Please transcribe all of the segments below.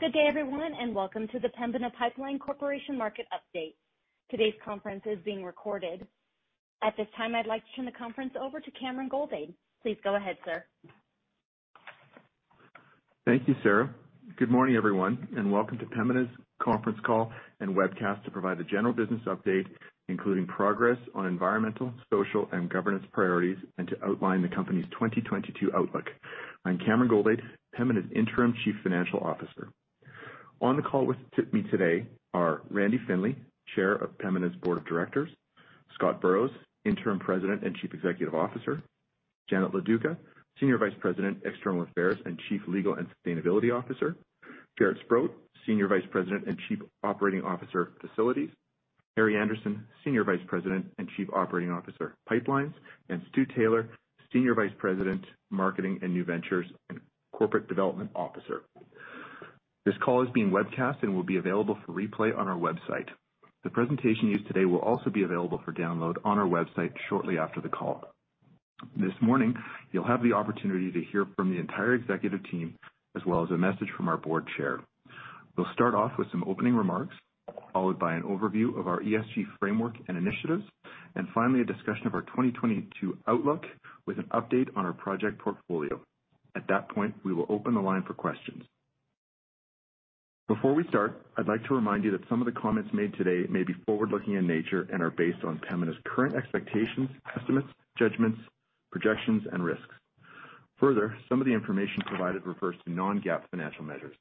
Good day, everyone, and welcome to the Pembina Pipeline Corporation Market Update. Today's conference is being recorded. At this time, I'd like to turn the conference over to Cameron Goldade. Please go ahead, sir. Thank you, Sarah. Good morning, everyone, and welcome to Pembina's conference call and webcast to provide a general business update, including progress on environmental, social, and governance priorities, and to outline the company's 2022 outlook. I'm Cameron Goldade, Pembina's Interim Chief Financial Officer. On the call with me today are Randy Findlay, Chair of Pembina's Board of Directors, Scott Burrows, Interim President and Chief Executive Officer, Janet Loduca, Senior Vice President, External Affairs and Chief Legal and Sustainability Officer, Jaret Sprott, Senior Vice President and Chief Operating Officer, Facilities, Harry Andersen, Senior Vice President and Chief Operating Officer, Pipelines, and Stuart Taylor, Senior Vice President, Marketing and New Ventures and Corporate Development Officer. This call is being webcast and will be available for replay on our website. The presentation used today will also be available for download on our website shortly after the call. This morning, you'll have the opportunity to hear from the entire Executive team, as well as a message from our Board Chair. We'll start off with some opening remarks, followed by an overview of our ESG framework and initiatives, and finally a discussion of our 2022 outlook with an update on our project portfolio. At that point, we will open the line for questions. Before we start, I'd like to remind you that some of the comments made today may be forward-looking in nature and are based on Pembina's current expectations, estimates, judgments, projections, and risks. Further, some of the information provided refers to non-GAAP financial measures.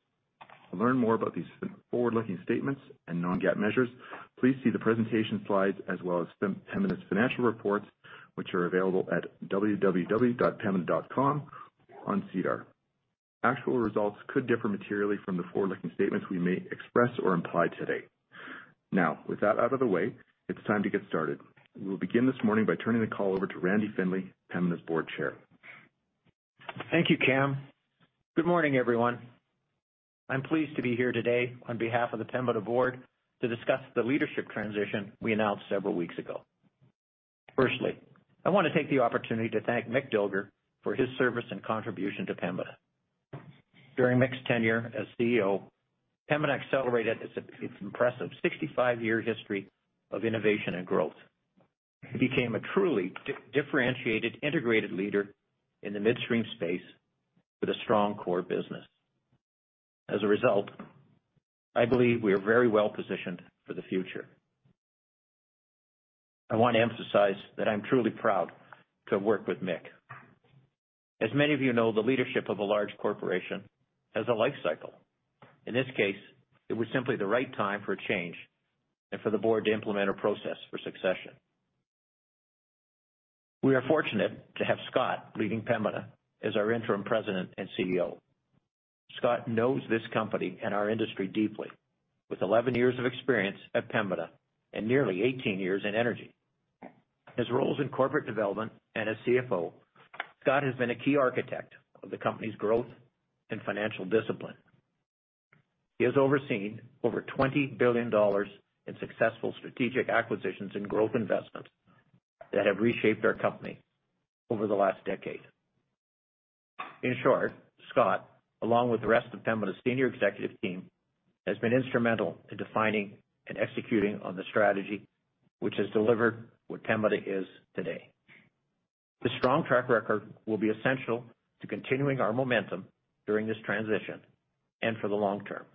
To learn more about these forward-looking statements and non-GAAP measures, please see the presentation slides as well as Pembina's financial reports, which are available at www.pembina.com on SEDAR+. Actual results could differ materially from the forward-looking statements we may express or imply today. Now, with that out of the way, it's time to get started. We will begin this morning by turning the call over to Randy Findlay, Pembina's Board Chair. Thank you, Cam. Good morning, everyone. I'm pleased to be here today on behalf of the Pembina board to discuss the leadership transition we announced several weeks ago. Firstly, I wanna take the opportunity to thank Mick Dilger for his service and contribution to Pembina. During Mick's tenure as CEO, Pembina accelerated its impressive 65-year history of innovation and growth. It became a truly differentiated, integrated leader in the midstream space with a strong core business. As a result, I believe we are very well-positioned for the future. I want to emphasize that I'm truly proud to have worked with Mick. As many of you know, the leadership of a large corporation has a life cycle. In this case, it was simply the right time for a change and for the board to implement a process for succession. We are fortunate to have Scott leading Pembina as our Interim President and CEO. Scott knows this company and our industry deeply, with 11 years of experience at Pembina and nearly 18 years in energy. His roles in Corporate Development and as CFO, Scott has been a key architect of the company's growth and financial discipline. He has overseen over 20 billion dollars in successful strategic acquisitions and growth investments that have reshaped our company over the last decade. In short Scott, along with the rest of Pembina's senior Executive Team, has been instrumental in defining and executing on the strategy which has delivered what Pembina is today. The strong track record will be essential to continuing our momentum during this transition and for the long term.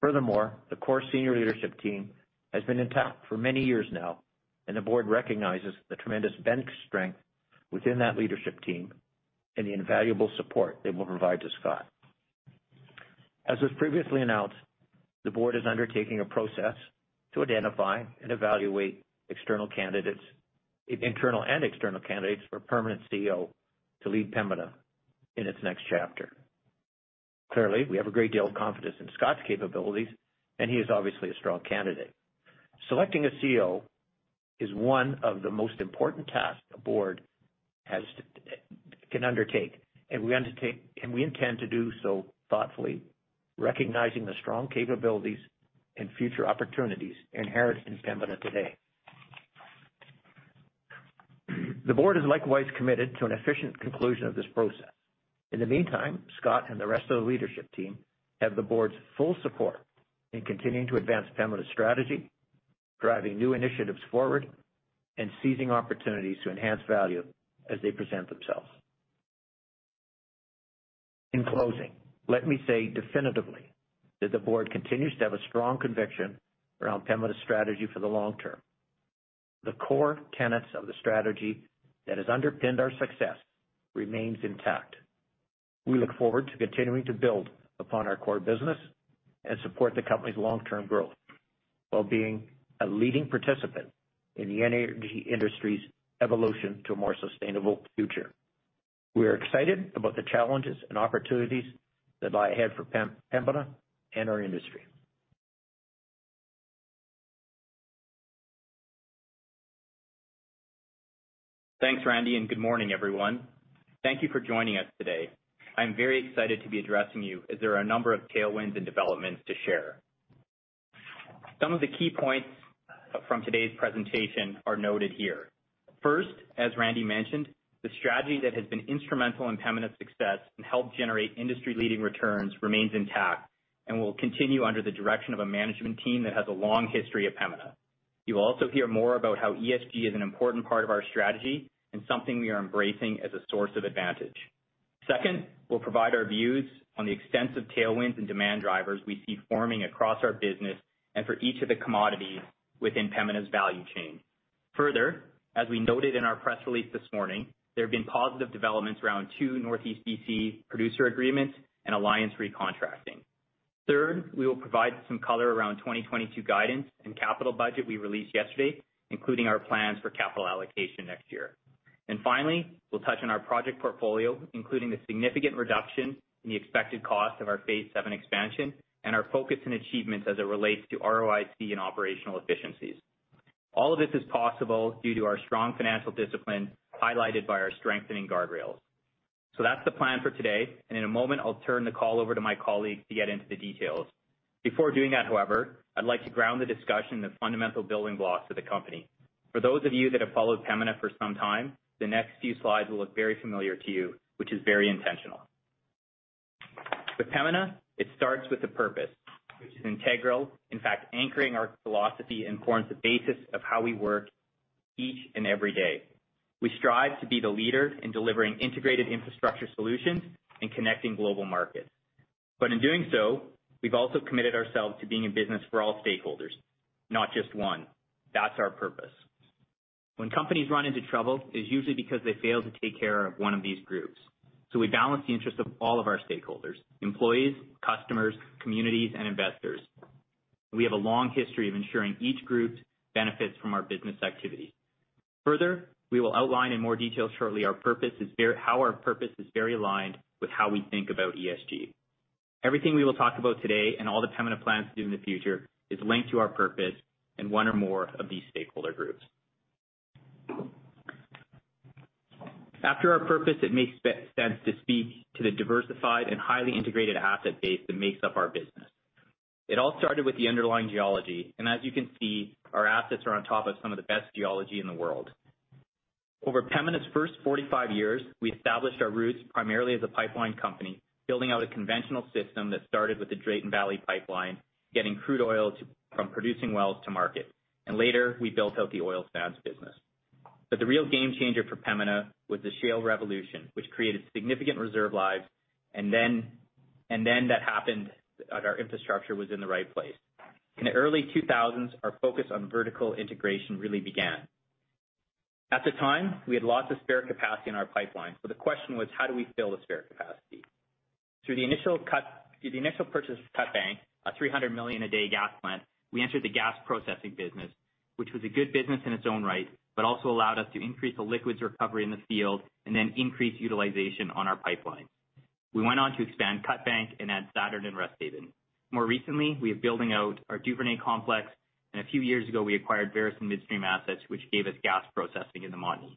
Furthermore, the core senior leadership team has been intact for many years now, and the board recognizes the tremendous bench strength within that leadership team and the invaluable support they will provide to Scott. As was previously announced, the board is undertaking a process to identify and evaluate external candidates, internal and external candidates for permanent CEO to lead Pembina in its next chapter. Clearly, we have a great deal of confidence in Scott's capabilities, and he is obviously a strong candidate. Selecting a CEO is one of the most important tasks a board can undertake, and we intend to do so thoughtfully, recognizing the strong capabilities and future opportunities inherent in Pembina today. The board is likewise committed to an efficient conclusion of this process. In the meantime, Scott and the rest of the leadership team have the board's full support in continuing to advance Pembina's strategy, driving new initiatives forward, and seizing opportunities to enhance value as they present themselves. In closing, let me say definitively that the board continues to have a strong conviction around Pembina's strategy for the long term. The core tenets of the strategy that has underpinned our success remains intact. We look forward to continuing to build upon our core business and support the company's long-term growth while being a leading participant in the energy industry's evolution to a more sustainable future. We are excited about the challenges and opportunities that lie ahead for Pembina and our industry. Thanks, Randy, and good morning, everyone. Thank you for joining us today. I'm very excited to be addressing you as there are a number of tailwinds and developments to share. Some of the key points from today's presentation are noted here. First, as Randy mentioned, the strategy that has been instrumental in Pembina's success and helped generate industry-leading returns remains intact and will continue under the direction of a management team that has a long history at Pembina. You'll also hear more about how ESG is an important part of our strategy and something we are embracing as a source of advantage. Second, we'll provide our views on the extensive tailwinds and demand drivers we see forming across our business and for each of the commodities within Pembina's value chain. Further, as we noted in our press release this morning, there have been positive developments around two Northeast BC producer agreements and Alliance recontracting. Third, we will provide some color around 2022 guidance and capital budget we released yesterday, including our plans for capital allocation next year. Finally, we'll touch on our project portfolio, including the significant reduction in the expected cost of our phase VII expansion and our focus and achievements as it relates to ROIC and operational efficiencies. All of this is possible due to our strong financial discipline, highlighted by our strengthening guardrails. That's the plan for today. In a moment, I'll turn the call over to my colleagues to get into the details. Before doing that, however, I'd like to ground the discussion in the fundamental building blocks of the company. For those of you that have followed Pembina for some time, the next few slides will look very familiar to you, which is very intentional. With Pembina, it starts with the purpose, which is integral, in fact, anchoring our philosophy and forms the basis of how we work each and every day. We strive to be the leader in delivering integrated infrastructure solutions and connecting global markets. In doing so, we've also committed ourselves to being in business for all stakeholders, not just one. That's our purpose. When companies run into trouble, it's usually because they fail to take care of one of these groups. We balance the interest of all of our stakeholders, employees, customers, communities, and investors. We have a long history of ensuring each group benefits from our business activities. Further, we will outline in more detail shortly how our purpose is very aligned with how we think about ESG. Everything we will talk about today and all the Pembina plans to do in the future is linked to our purpose in one or more of these stakeholder groups. After our purpose, it makes sense to speak to the diversified and highly integrated asset base that makes up our business. It all started with the underlying geology, and as you can see, our assets are on top of some of the best geology in the world. Over Pembina's first 45 years, we established our roots primarily as a pipeline company, building out a conventional system that started with the Drayton Valley pipeline, getting crude oil from producing wells to market. Later, we built out the oil sands business. The real game changer for Pembina was the shale revolution, which created significant reserve lives, and then that happened and our infrastructure was in the right place. In the early 2000s, our focus on vertical integration really began. At the time, we had lots of spare capacity in our pipeline, so the question was, how do we fill the spare capacity? Through the initial purchase of Cutbank, a 300 million a day gas plant, we entered the gas processing business, which was a good business in its own right, but also allowed us to increase the liquids recovery in the field and then increase utilization on our pipeline. We went on to expand Cutbank and add Saturn and Rostad. More recently, we are building out our Duvernay Complex, and a few years ago, we acquired Veresen Midstream assets, which gave us gas processing in the Montney.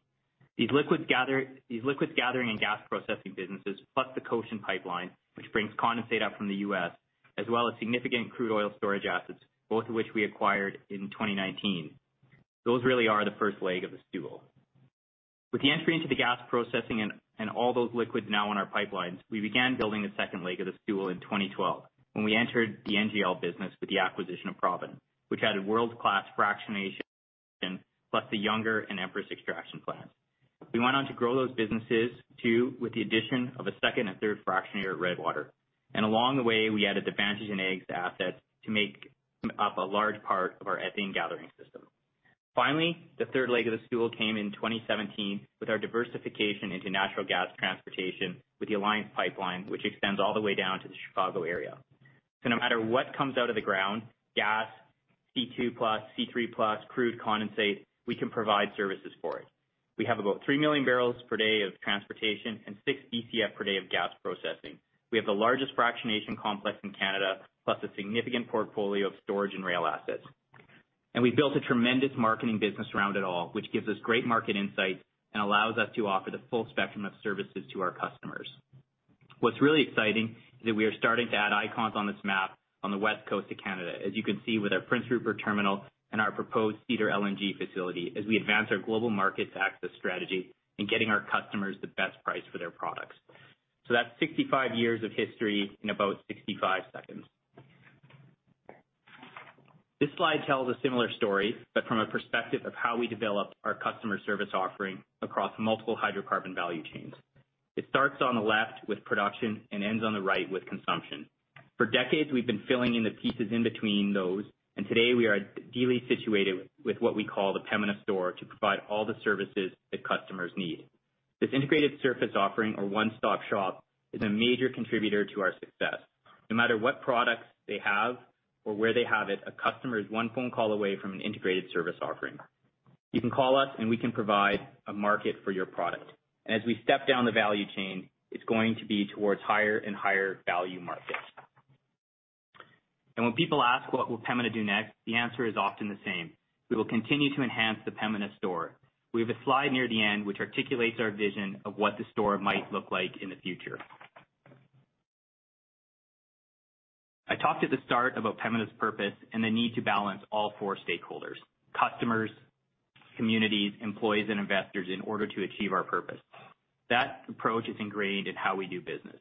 These liquids gathering and gas processing businesses, plus the Cochin pipeline, which brings condensate up from the U.S., as well as significant crude oil storage assets, both of which we acquired in 2019. Those really are the first leg of the stool. With the entry into the gas processing and all those liquids now in our pipelines, we began building the second leg of the stool in 2012 when we entered the NGL business with the acquisition of Provident, which added world-class fractionation, plus the Younger and Empress extraction plants. We went on to grow those businesses too with the addition of a second and third fractionator at Redwater. Along the way, we added the Vantage and AEGS assets to make up a large part of our ethane gathering system. Finally, the third leg of the stool came in 2017 with our diversification into natural gas transportation with the Alliance Pipeline, which extends all the way down to the Chicago area. No matter what comes out of the ground, gas, C2+, C3+, crude condensate, we can provide services for it. We have about 3 million barrels per day of transportation and 6 Bcf/d of gas processing. We have the largest fractionation complex in Canada, plus a significant portfolio of storage and rail assets. We built a tremendous marketing business around it all, which gives us great market insights and allows us to offer the full spectrum of services to our customers. What's really exciting is that we are starting to add icons on this map on the West Coast of Canada, as you can see with our Prince Rupert Terminal and our proposed Cedar LNG facility, as we advance our global market access strategy in getting our customers the best price for their products. That's 65 years of history in about 65 seconds. This slide tells a similar story, but from a perspective of how we developed our customer service offering across multiple hydrocarbon value chains. It starts on the left with production and ends on the right with consumption. For decades, we've been filling in the pieces in between those, and today we are ideally situated with what we call the Pembina Store to provide all the services that customers need. This integrated service offering or one-stop-shop is a major contributor to our success. No matter what products they have or where they have it, a customer is one phone call away from an integrated service offering. You can call us, and we can provide a market for your product. As we step down the value chain, it's going to be towards higher and higher value markets. When people ask, "What will Pembina do next?" The answer is often the same. We will continue to enhance the Pembina Store. We have a slide near the end which articulates our vision of what the Store might look like in the future. I talked at the start about Pembina's purpose and the need to balance all four stakeholders, customers, communities, employees, and investors in order to achieve our purpose. That approach is ingrained in how we do business.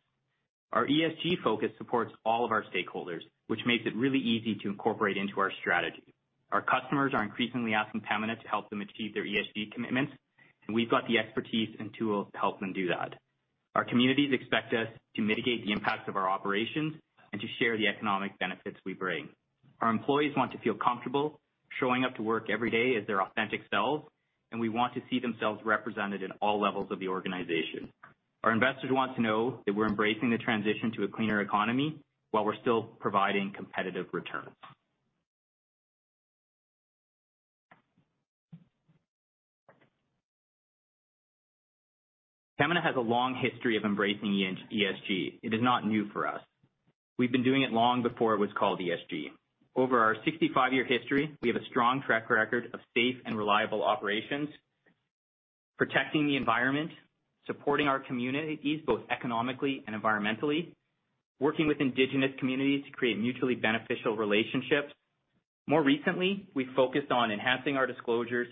Our ESG focus supports all of our stakeholders, which makes it really easy to incorporate into our strategy. Our customers are increasingly asking Pembina to help them achieve their ESG commitments, and we've got the expertise and tools to help them do that. Our communities expect us to mitigate the impact of our operations and to share the economic benefits we bring. Our employees want to feel comfortable showing up to work every day as their authentic selves, and we want to see themselves represented in all levels of the organization. Our investors want to know that we're embracing the transition to a cleaner economy while we're still providing competitive returns. Pembina has a long history of embracing ESG. It is not new for us. We've been doing it long before it was called ESG. Over our 65-year history, we have a strong track record of safe and reliable operations, protecting the environment, supporting our communities, both economically and environmentally, working with Indigenous communities to create mutually beneficial relationships. More recently, we focused on enhancing our disclosures,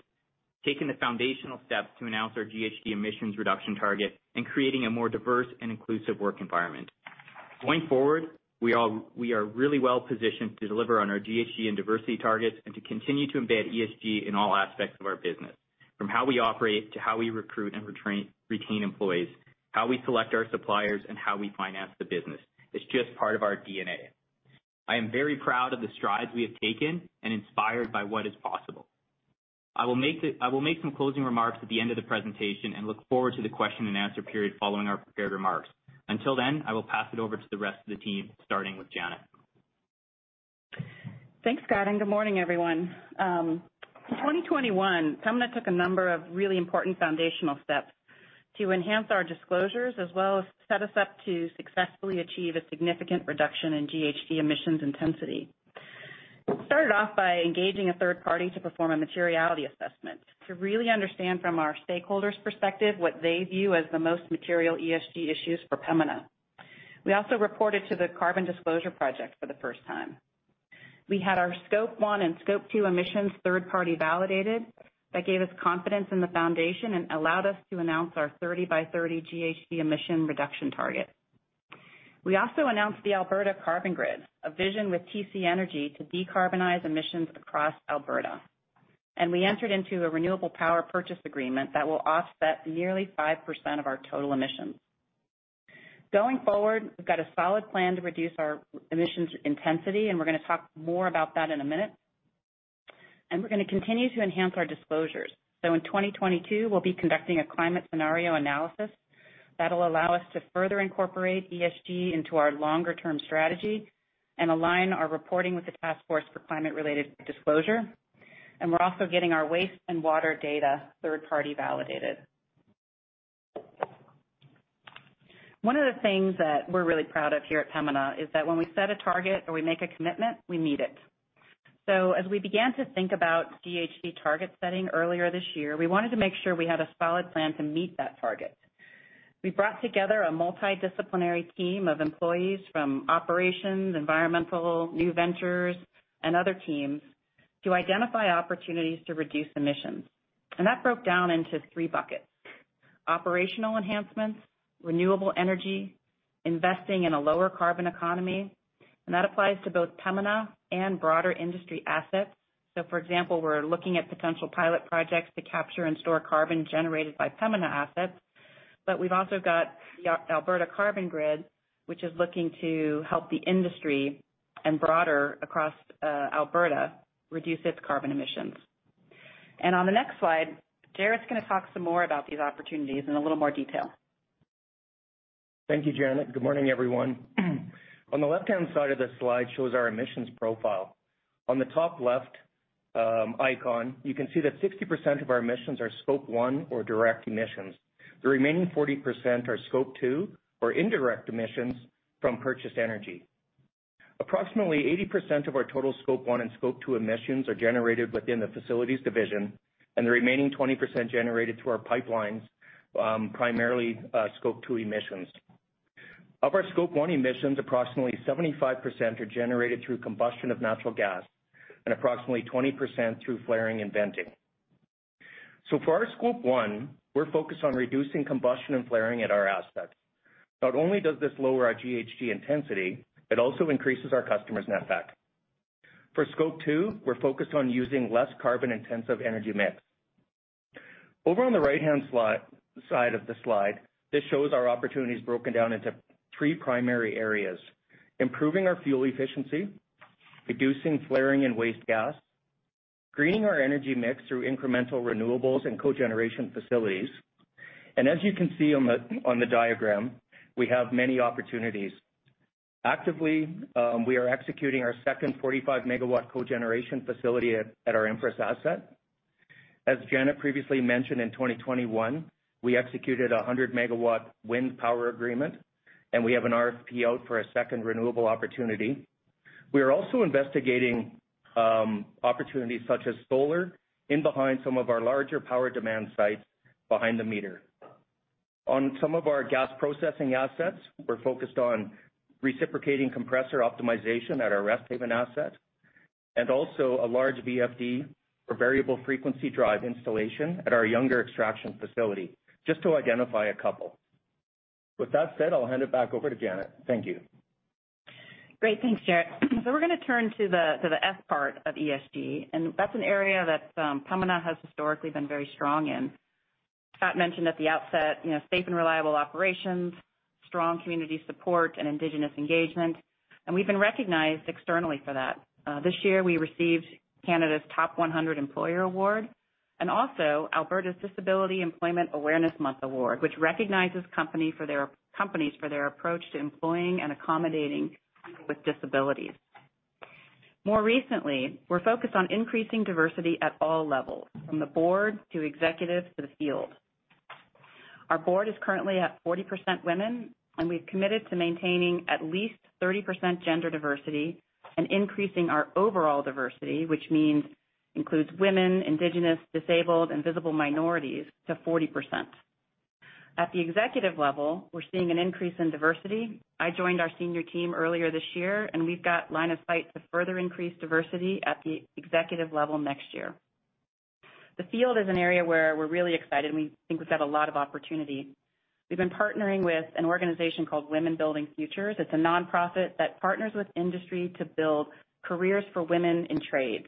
taking the foundational steps to announce our GHG emissions reduction target, and creating a more diverse and inclusive work environment. Going forward, we are really well-positioned to deliver on our GHG and diversity targets and to continue to embed ESG in all aspects of our business, from how we operate to how we recruit and retain employees, how we select our suppliers, and how we finance the business. It's just part of our DNA. I am very proud of the strides we have taken and inspired by what is possible. I will make some closing remarks at the end of the presentation and look forward to the question-and-answer period following our prepared remarks. Until then, I will pass it over to the rest of the team, starting with Janet. Thanks, Scott, and good morning, everyone. 2021, Pembina took a number of really important foundational steps to enhance our disclosures as well as set us up to successfully achieve a significant reduction in GHG emissions intensity. Started off by engaging a third party to perform a materiality assessment to really understand from our stakeholders' perspective what they view as the most material ESG issues for Pembina. We also reported to the Carbon Disclosure Project for the first time. We had our Scope 1 and Scope 2 emissions third-party validated. That gave us confidence in the foundation and allowed us to announce our 30 by 30 GHG emission reduction target. We also announced the Alberta Carbon Grid, a vision with TC Energy to decarbonize emissions across Alberta. We entered into a renewable power purchase agreement that will offset nearly 5% of our total emissions. Going forward, we've got a solid plan to reduce our emissions intensity, and we're gonna talk more about that in a minute. We're gonna continue to enhance our disclosures. In 2022, we'll be conducting a climate scenario analysis that'll allow us to further incorporate ESG into our longer-term strategy and align our reporting with the task force for climate-related disclosure. We're also getting our waste and water data third-party validated. One of the things that we're really proud of here at Pembina is that when we set a target or we make a commitment, we meet it. As we began to think about GHG target setting earlier this year, we wanted to make sure we had a solid plan to meet that target. We brought together a multidisciplinary team of employees from operations, environmental, new ventures, and other teams to identify opportunities to reduce emissions. That broke down into three buckets, Operational Enhancements, Renewable Energy, Investing in a Lower Carbon Economy. That applies to both Pembina and broader industry assets. For example, we're looking at potential pilot projects to capture and store carbon generated by Pembina assets, but we've also got the Alberta Carbon Grid, which is looking to help the industry and broader across Alberta reduce its carbon emissions. On the next slide, Jaret's gonna talk some more about these opportunities in a little more detail. Thank you, Janet. Good morning, everyone. On the left-hand side of this slide shows our emissions profile. On the top left icon, you can see that 60% of our emissions are Scope 1 or direct emissions. The remaining 40% are Scope 2 or indirect emissions from purchased energy. Approximately 80% of our total Scope 1 and Scope 2 emissions are generated within the Facilities division, and the remaining 20% generated through our Pipelines, primarily, Scope 2 emissions. Of our Scope 1 emissions, approximately 75% are generated through combustion of natural gas and approximately 20% through flaring and venting. For our Scope 1, we're focused on reducing combustion and flaring at our assets. Not only does this lower our GHG intensity, it also increases our customers' netback. For Scope 2, we're focused on using less carbon-intensive energy mix. Over on the right-hand side of this slide, this shows our opportunities broken down into three primary areas: improving our fuel efficiency, reducing flaring and waste gas, greening our energy mix through incremental renewables and cogeneration facilities. As you can see on the diagram, we have many opportunities. Actively, we are executing our second 45-MW cogeneration facility at our Empress asset. As Janet previously mentioned, in 2021, we executed a 100-MW wind power agreement, and we have an RFP out for a second renewable opportunity. We are also investigating opportunities such as solar behind some of our larger power demand sites behind the meter. On some of our gas processing assets, we're focused on reciprocating compressor optimization at our Resthaven asset, and also a large VFD or Variable Frequency Drive installation at our Younger extraction facility, just to identify a couple. With that said, I'll hand it back over to Janet. Thank you. Great. Thanks, Jaret. We're gonna turn to the S part of ESG, and that's an area that Pembina has historically been very strong in. Scott mentioned at the outset, you know, safe and reliable operations, strong community support, and Indigenous engagement, and we've been recognized externally for that. This year, we received Canada's Top 100 Employers Award, and also Alberta's Disability Employment Awareness Month Award, which recognizes companies for their approach to employing and accommodating people with disabilities. More recently, we're focused on increasing diversity at all levels, from the board to executives to the field. Our board is currently at 40% women, and we've committed to maintaining at least 30% gender diversity and increasing our overall diversity, which includes women, Indigenous, disabled, and visible minorities to 40%. At the executive level, we're seeing an increase in diversity. I joined our senior team earlier this year, and we've got line of sight to further increase diversity at the executive level next year. The field is an area where we're really excited, and we think we've got a lot of opportunity. We've been partnering with an organization called Women Building Futures. It's a non-profit that partners with industry to build careers for women in trade.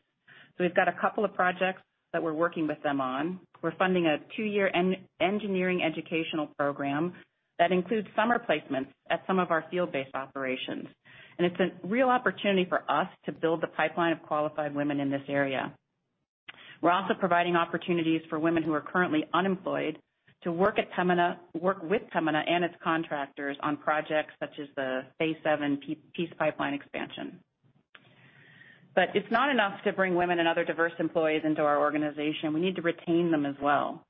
So we've got a couple of projects that we're working with them on. We're funding a two-year engineering educational program that includes summer placements at some of our field-based operations. It's a real opportunity for us to build the pipeline of qualified women in this area. We're also providing opportunities for women who are currently unemployed to work with Pembina and its contractors on projects such as the phase VII Peace Pipeline Expansion. It's not enough to bring women and other diverse employees into our organization. We need to retain them as well.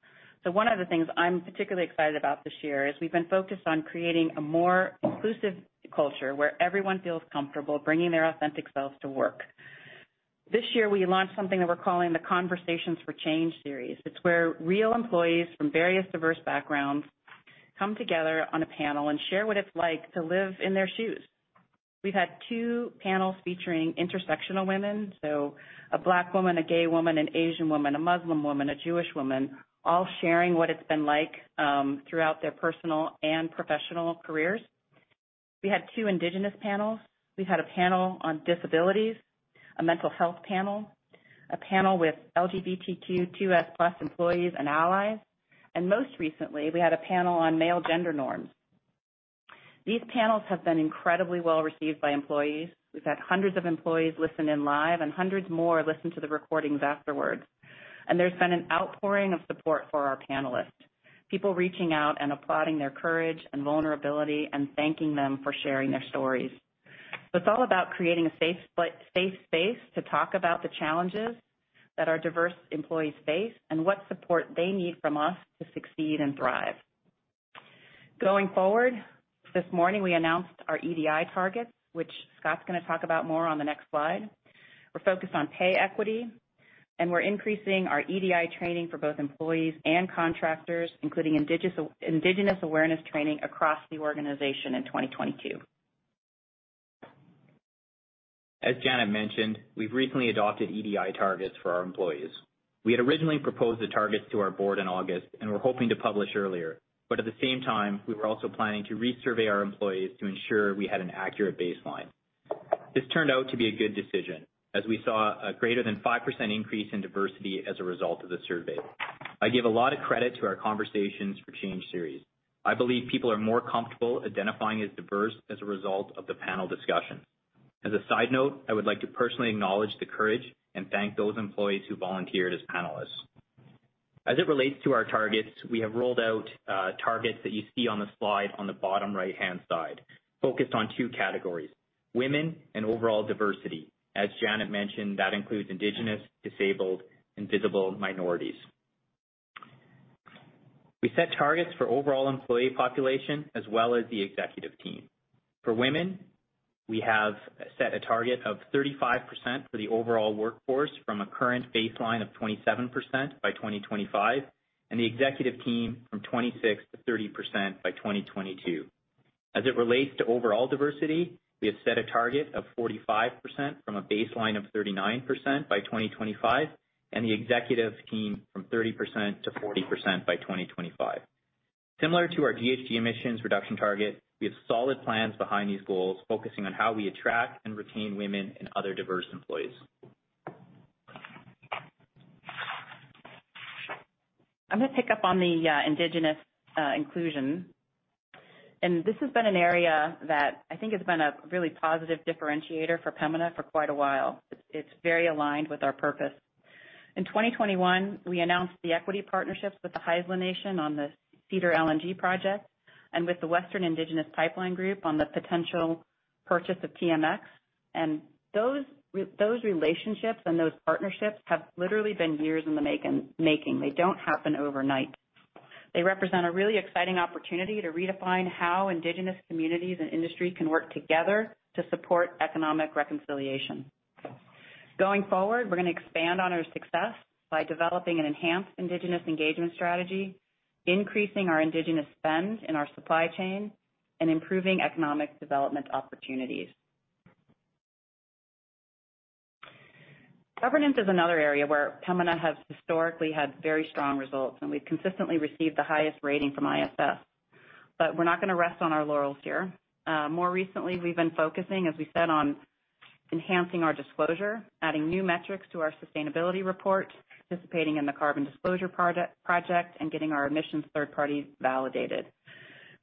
One of the things I'm particularly excited about this year is we've been focused on creating a more inclusive culture where everyone feels comfortable bringing their authentic selves to work. This year, we launched something that we're calling the Conversations for Change series. It's where real employees from various diverse backgrounds come together on a panel and share what it's like to live in their shoes. We've had two panels featuring intersectional women, so a Black woman, a gay woman, an Asian woman, a Muslim woman, a Jewish woman, all sharing what it's been like throughout their personal and professional careers. We had two Indigenous panels. We've had a panel on disabilities, a mental health panel, a panel with LGBTQ2S+ employees and allies, and most recently, we had a panel on male gender norms. These panels have been incredibly well-received by employees. We've had hundreds of employees listen in live and hundreds more listen to the recordings afterwards. There's been an outpouring of support for our panelists, people reaching out and applauding their courage and vulnerability and thanking them for sharing their stories. It's all about creating a safe space to talk about the challenges that our diverse employees face and what support they need from us to succeed and thrive. Going forward, this morning, we announced our EDI targets, which Scott's gonna talk about more on the next slide. We're focused on pay equity, and we're increasing our EDI training for both employees and contractors, including indigenous awareness training across the organization in 2022. As Janet mentioned, we've recently adopted EDI targets for our employees. We had originally proposed the targets to our board in August, and were hoping to publish earlier. At the same time, we were also planning to re-survey our employees to ensure we had an accurate baseline. This turned out to be a good decision as we saw a greater than 5% increase in diversity as a result of the survey. I give a lot of credit to our Conversations for Change series. I believe people are more comfortable identifying as diverse as a result of the panel discussions. As a side note, I would like to personally acknowledge the courage and thank those employees who volunteered as panelists. As it relates to our targets, we have rolled out targets that you see on the slide on the bottom right-hand side, focused on two categories, women and overall diversity. As Janet mentioned, that includes Indigenous, disabled, and visible minorities. We set targets for overall employee population as well as the executive team. For women, we have set a target of 35% for the overall workforce from a current baseline of 27% by 2025, and the executive team from 26% to 30% by 2022. As it relates to overall diversity, we have set a target of 45% from a baseline of 39% by 2025, and the executive team from 30% to 40% by 2025. Similar to our GHG emissions reduction target, we have solid plans behind these goals, focusing on how we attract and retain women and other diverse employees. I'm gonna pick up on the Indigenous inclusion. This has been an area that I think has been a really positive differentiator for Pembina for quite a while. It's very aligned with our purpose. In 2021, we announced the equity partnerships with the Haisla Nation on the Cedar LNG project and with the Western Indigenous Pipeline Group on the potential purchase of TMX. Those relationships and those partnerships have literally been years in the making. They don't happen overnight. They represent a really exciting opportunity to redefine how indigenous communities and industry can work together to support economic reconciliation. Going forward, we're gonna expand on our success by developing an enhanced indigenous engagement strategy, increasing our indigenous spend in our supply chain, and improving economic development opportunities. Governance is another area where Pembina has historically had very strong results, and we've consistently received the highest rating from ISS. We're not gonna rest on our laurels here. More recently, we've been focusing, as we said, on enhancing our disclosure, adding new metrics to our sustainability report, participating in the Carbon Disclosure Project, and getting our emissions third-party validated.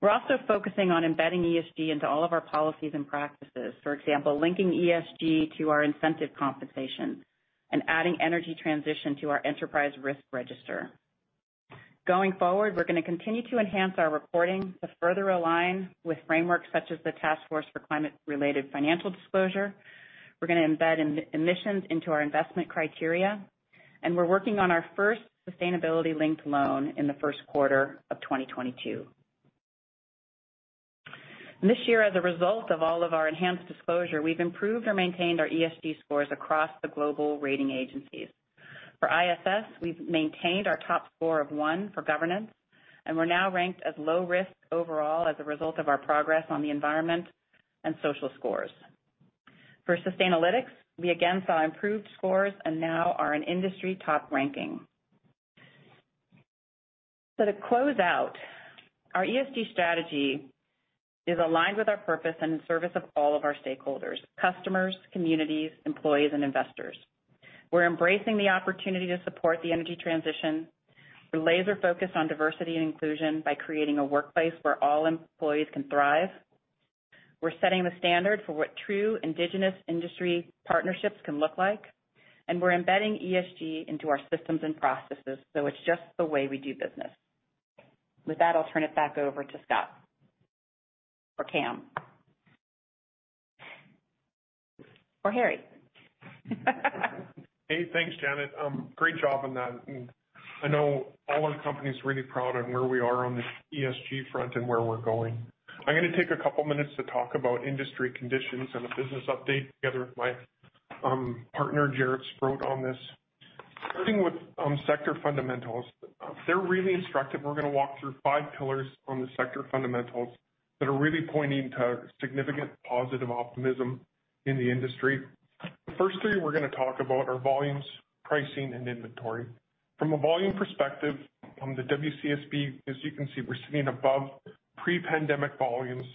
We're also focusing on embedding ESG into all of our policies and practices. For example, linking ESG to our incentive compensation and adding energy transition to our enterprise risk register. Going forward, we're gonna continue to enhance our reporting to further align with frameworks such as the Task Force on Climate-related Financial Disclosures. We're gonna embed emissions into our investment criteria, and we're working on our first sustainability-linked loan in the first quarter of 2022. This year, as a result of all of our enhanced disclosure, we've improved or maintained our ESG scores across the global rating agencies. For ISS, we've maintained our top score of one for governance, and we're now ranked as low risk overall as a result of our progress on the environment and social scores. For Sustainalytics, we again saw improved scores and now are an industry top ranking. To close out, our ESG strategy is aligned with our purpose and in service of all of our stakeholders, customers, communities, employees, and investors. We're embracing the opportunity to support the energy transition. We're laser focused on diversity and inclusion by creating a workplace where all employees can thrive. We're setting the standard for what true Indigenous industry partnerships can look like, and we're embedding ESG into our systems and processes, so it's just the way we do business. With that, I'll turn it back over to Scott or Cam or Harry. Hey, thanks, Janet. Great job on that. I know all our company is really proud of where we are on the ESG front and where we're going. I'm gonna take a couple minutes to talk about industry conditions and a business update together with my partner, Jarrett Sprott, on this. Starting with sector fundamentals, they're really instructive. We're gonna walk through five pillars on the sector fundamentals that are really pointing to significant positive optimism in the industry. The first three we're gonna talk about are Volumes, Pricing, and Inventory. From a Volume perspective on the WCSB, as you can see, we're sitting above pre-pandemic volumes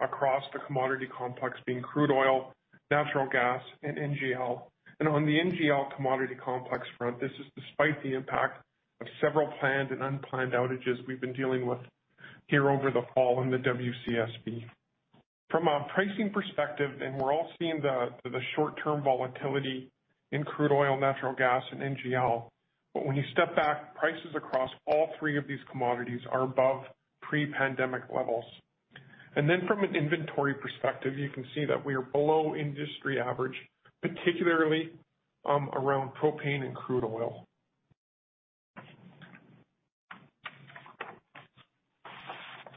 across the commodity complex being crude oil, natural gas, and NGL. On the NGL commodity complex front, this is despite the impact of several planned and unplanned outages we've been dealing with here over the fall in the WCSB. From a Pricing perspective, and we're all seeing the short-term volatility in crude oil, natural gas, and NGL, but when you step back, prices across all three of these commodities are above pre-pandemic levels. From an Inventory perspective, you can see that we are below industry average, particularly around propane and crude oil.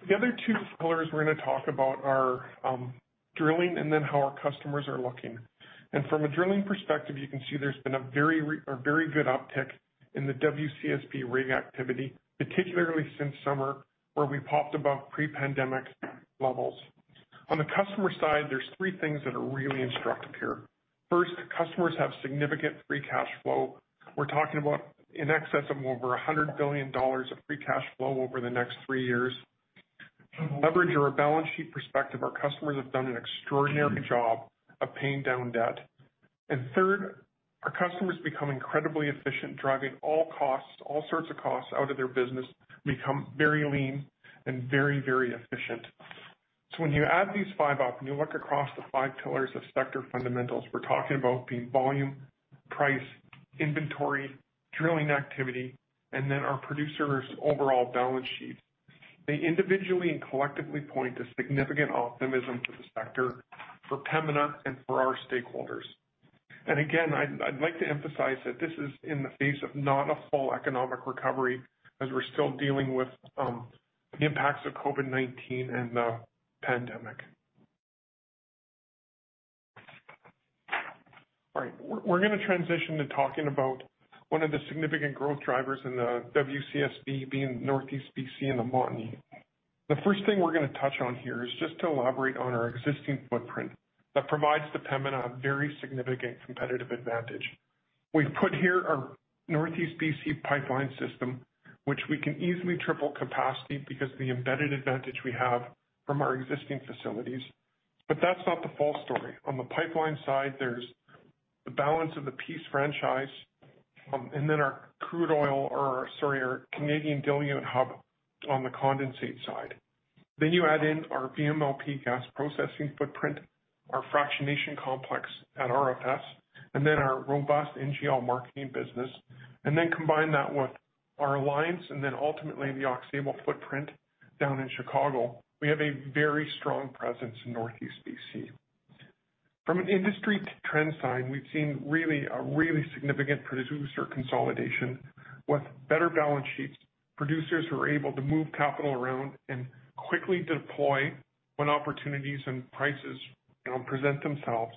The other two pillars we're gonna talk about are Drilling and then how our Customers are looking. From a Drilling perspective, you can see there's been a very good uptick in the WCSB rig activity, particularly since summer, where we popped above pre-pandemic levels. On the customer side, there's three things that are really instructive here. First, Customers have significant free cash flow. We're talking about in excess of over $100 billion of free cash flow over the next three years. From a leverage or a balance sheet perspective, our customers have done an extraordinary job of paying down debt. Third, our Customers become incredibly efficient, driving all costs, all sorts of costs out of their business, become very lean and very, very efficient. When you add these five up, and you look across the five pillars of sector fundamentals, we're talking about the Volume, Price, Inventory, Drilling activity, and then our producer's overall balance sheet. They individually and collectively point to significant optimism for the sector, for Pembina and for our stakeholders. Again, I'd like to emphasize that this is in the face of not a full economic recovery as we're still dealing with the impacts of COVID-19 and the pandemic. All right. We're gonna transition to talking about one of the significant growth drivers in the WCSB, being Northeast BC and the Montney. The first thing we're gonna touch on here is just to elaborate on our existing footprint that provides Pembina a very significant competitive advantage. We've put here our Northeast BC pipeline system, which we can easily triple capacity because of the embedded advantage we have from our existing facilities. But that's not the full story. On the pipeline side, there's the balance of the Peace franchise, and then our Canadian diluent hub on the condensate side. You add in our VMLP gas processing footprint, our fractionation complex at RFS, and then our robust NGL marketing business, and then combine that with our Alliance and then ultimately the Aux Sable footprint down in Chicago. We have a very strong presence in Northeast BC. From an industry trends in, we've seen a really significant producer consolidation with better balance sheets. Producers who are able to move capital around and quickly deploy when opportunities and prices present themselves.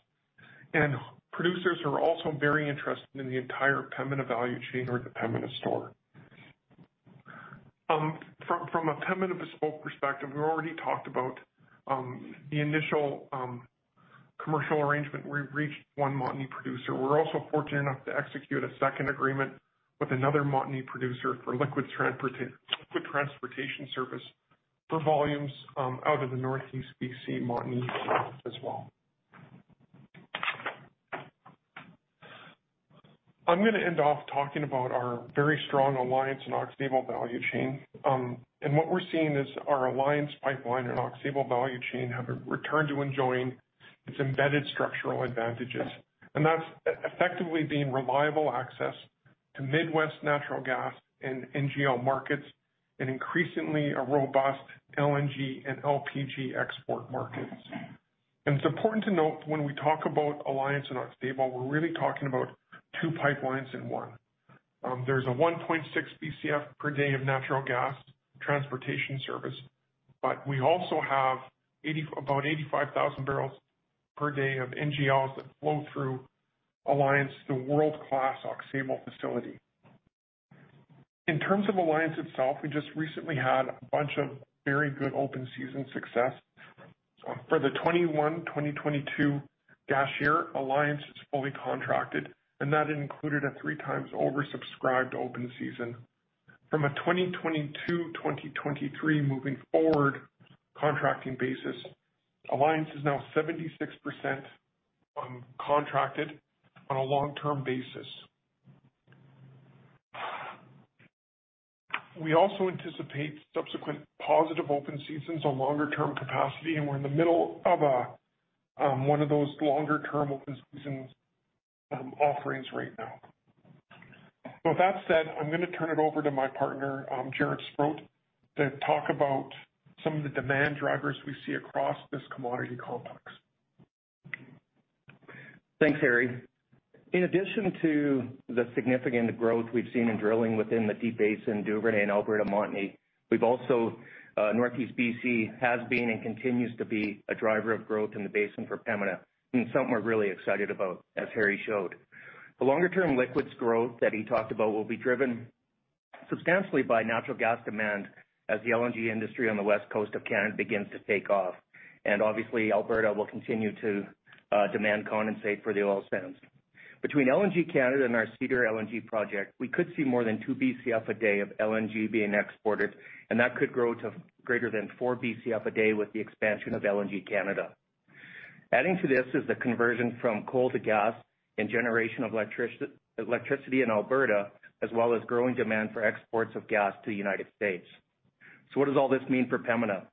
Producers are also very interested in the entire Pembina value chain or the Pembina Store. From a Pembina bespoke perspective, we already talked about the initial commercial arrangement. We've reached one Montney producer. We're also fortunate enough to execute a second agreement with another Montney producer for liquid transportation service for volumes out of the Northeast BC, Montney as well. I'm gonna end off talking about our very strong Alliance and Aux Sable value chain. What we're seeing is our Alliance Pipeline and Aux Sable value chain have returned to enjoying its embedded structural advantages. That's effectively being reliable access to Midwest natural gas and NGL markets and increasingly a robust LNG and LPG export markets. It's important to note when we talk about Alliance and Aux Sable, we're really talking about two pipelines in one. There's a 1.6 Bcf/d of natural gas transportation service, but we also have about 85,000 barrels per day of NGLs that flow through Alliance, the world-class Aux Sable facility. In terms of Alliance itself, we just recently had a bunch of very good open season success. For the 2021-2022 gas year, Alliance is fully contracted and that included a three times oversubscribed open season. From a 2022-2023 moving forward contracting basis, Alliance is now 76% contracted on a long-term basis. We also anticipate subsequent positive open seasons on longer term capacity, and we're in the middle of one of those longer-term open seasons offerings right now. With that said, I'm gonna turn it over to my partner, Jaret Sprott, to talk about some of the demand drivers we see across this commodity complex. Thanks, Harry. In addition to the significant growth we've seen in drilling within the Deep Basin, Duvernay, and Alberta Montney, we've also, Northeast BC has been and continues to be a driver of growth in the basin for Pembina and something we're really excited about, as Harry showed. The longer-term liquids growth that he talked about will be driven substantially by natural gas demand as the LNG industry on the West Coast of Canada begins to take off. Obviously, Alberta will continue to demand condensate for the oil sands. Between LNG Canada and our Cedar LNG project, we could see more than 2 Bcf/d of LNG being exported, and that could grow to greater than 4 Bcf/d with the expansion of LNG Canada. Adding to this is the conversion from coal to gas and generation of electricity in Alberta, as well as growing demand for exports of gas to the United States. What does all this mean for Pembina?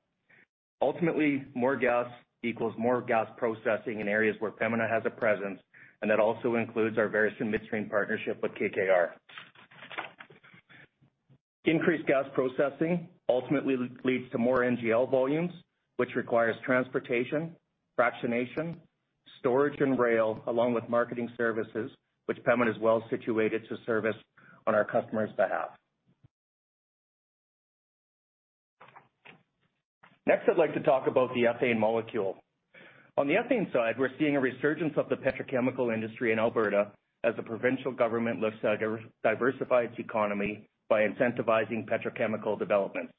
Ultimately, more gas equals more gas processing in areas where Pembina has a presence, and that also includes our Veresen Midstream partnership with KKR. Increased gas processing ultimately leads to more NGL volumes, which requires transportation, fractionation, storage and rail, along with marketing services, which Pembina is well situated to service on our customers' behalf. Next, I'd like to talk about the ethane molecule. On the ethane side, we're seeing a resurgence of the petrochemical industry in Alberta as the provincial government looks to diversify its economy by incentivizing petrochemical development.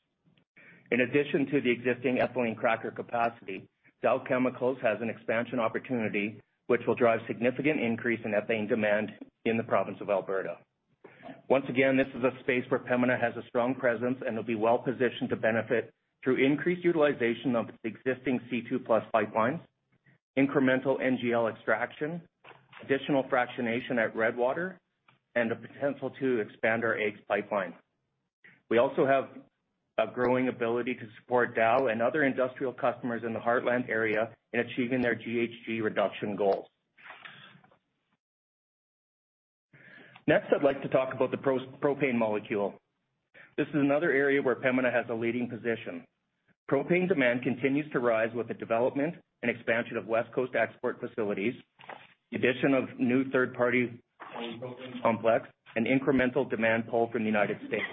In addition to the existing ethylene cracker capacity, Dow Chemical has an expansion opportunity which will drive significant increase in ethane demand in the province of Alberta. Once again, this is a space where Pembina has a strong presence and will be well-positioned to benefit through increased utilization of existing C2+ pipelines, incremental NGL extraction, additional fractionation at Redwater, and the potential to expand our AEGS pipeline. We also have a growing ability to support Dow Chemical and other industrial customers in the Heartland area in achieving their GHG reduction goals. Next, I'd like to talk about the propane molecule. This is another area where Pembina has a leading position. Propane demand continues to rise with the development and expansion of West Coast export facilities, the addition of new third-party propane complex, and incremental demand pull from the United States.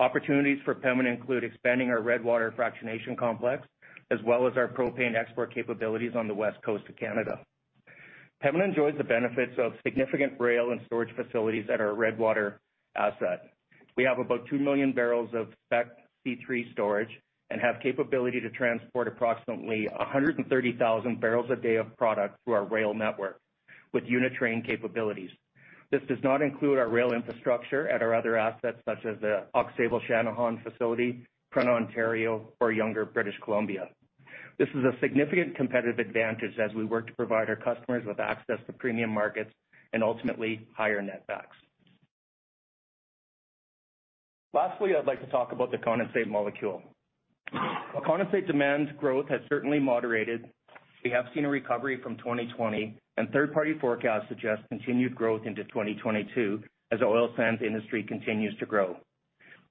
Opportunities for Pembina include expanding our Redwater fractionation complex, as well as our propane export capabilities on the West Coast of Canada. Pembina enjoys the benefits of significant rail and storage facilities at our Redwater asset. We have about 2 million barrels of spec C3 storage and have capability to transport approximately 130,000 barrels a day of product through our rail network with unit train capabilities. This does not include our rail infrastructure at our other assets such as the Aux Sable Channahon facility, Sarnia, Ontario or Younger, British Columbia. This is a significant competitive advantage as we work to provide our customers with access to premium markets and ultimately higher netbacks. Lastly, I'd like to talk about the condensate molecule. While condensate demand growth has certainly moderated, we have seen a recovery from 2020, and third-party forecasts suggest continued growth into 2022 as the oil sands industry continues to grow.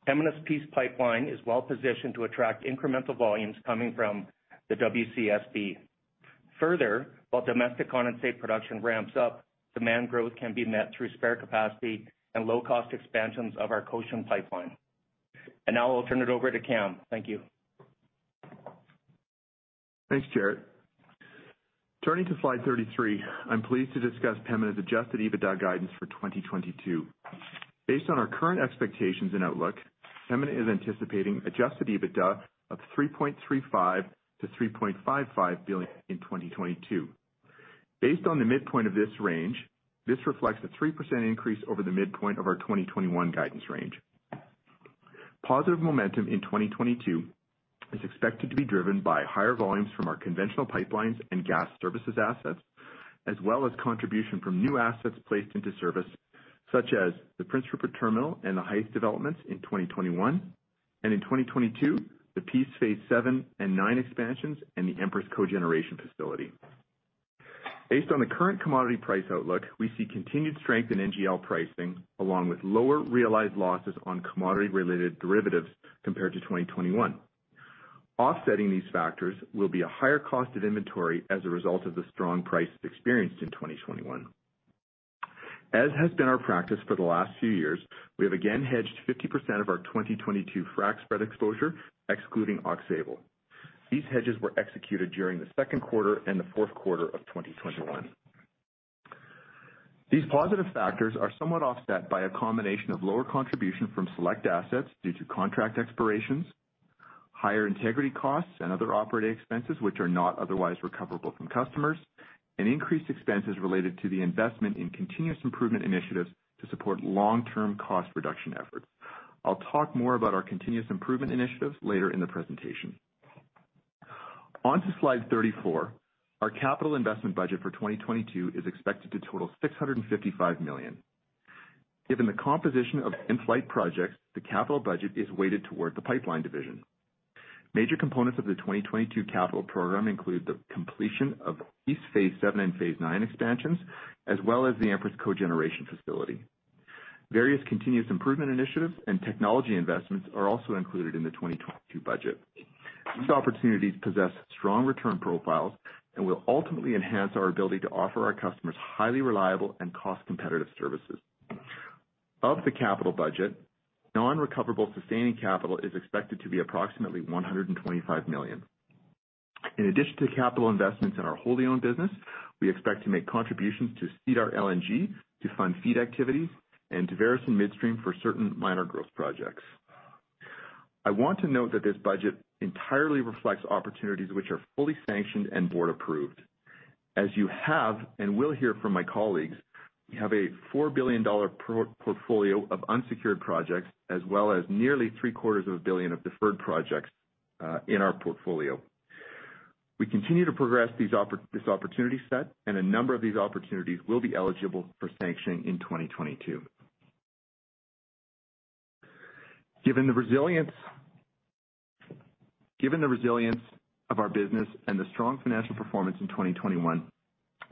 Pembina's Peace Pipeline is well-positioned to attract incremental volumes coming from the WCSB. Further, while domestic condensate production ramps up, demand growth can be met through spare capacity and low-cost expansions of our Cochin pipeline. Now I'll turn it over to Cam. Thank you. Thanks, Jaret. Turning to slide 33, I'm pleased to discuss Pembina's Adjusted EBITDA guidance for 2022. Based on our current expectations and outlook, Pembina is anticipating Adjusted EBITDA of 3.35 billion-3.55 billion in 2022. Based on the midpoint of this range, this reflects a 3% increase over the midpoint of our 2021 guidance range. Positive momentum in 2022 is expected to be driven by higher volumes from our conventional pipelines and gas services assets, as well as contribution from new assets placed into service, such as the Prince Rupert Terminal and the Hythe Developments in 2021, and in 2022, the Peace phase VII and phase IX expansions and the Empress Co-Generation Facility. Based on the current commodity price outlook, we see continued strength in NGL pricing, along with lower realized losses on commodity-related derivatives compared to 2021. Offsetting these factors will be a higher cost of inventory as a result of the strong prices experienced in 2021. As has been our practice for the last few years, we have again hedged 50% of our 2022 frac spread exposure, excluding Aux Sable. These hedges were executed during the second quarter and the fourth quarter of 2021. These positive factors are somewhat offset by a combination of lower contribution from select assets due to contract expirations, higher integrity costs and other operating expenses which are not otherwise recoverable from customers, and increased expenses related to the investment in continuous improvement initiatives to support long-term cost reduction efforts. I'll talk more about our continuous improvement initiatives later in the presentation. On to slide 34. Our capital investment budget for 2022 is expected to total 655 million. Given the composition of in-flight projects, the capital budget is weighted toward the pipeline division. Major components of the 2022 capital program include the completion of phase VII and phase IX expansions, as well as the Empress Co-generation Facility. Various continuous improvement initiatives and technology investments are also included in the 2022 budget. These opportunities possess strong return profiles and will ultimately enhance our ability to offer our customers highly reliable and cost-competitive services. Of the capital budget, non-recoverable sustaining capital is expected to be approximately 125 million. In addition to capital investments in our wholly owned business, we expect to make contributions to Cedar LNG to fund FEED activities and to various midstream for certain minor growth projects. I want to note that this budget entirely reflects opportunities which are fully sanctioned and board approved. As you have and will hear from my colleagues, we have a 4 billion dollar portfolio of unsecured projects, as well as nearly 750,000,000 of deferred projects in our portfolio. We continue to progress this opportunity set, and a number of these opportunities will be eligible for sanctioning in 2022. Given the resilience of our business and the strong financial performance in 2021,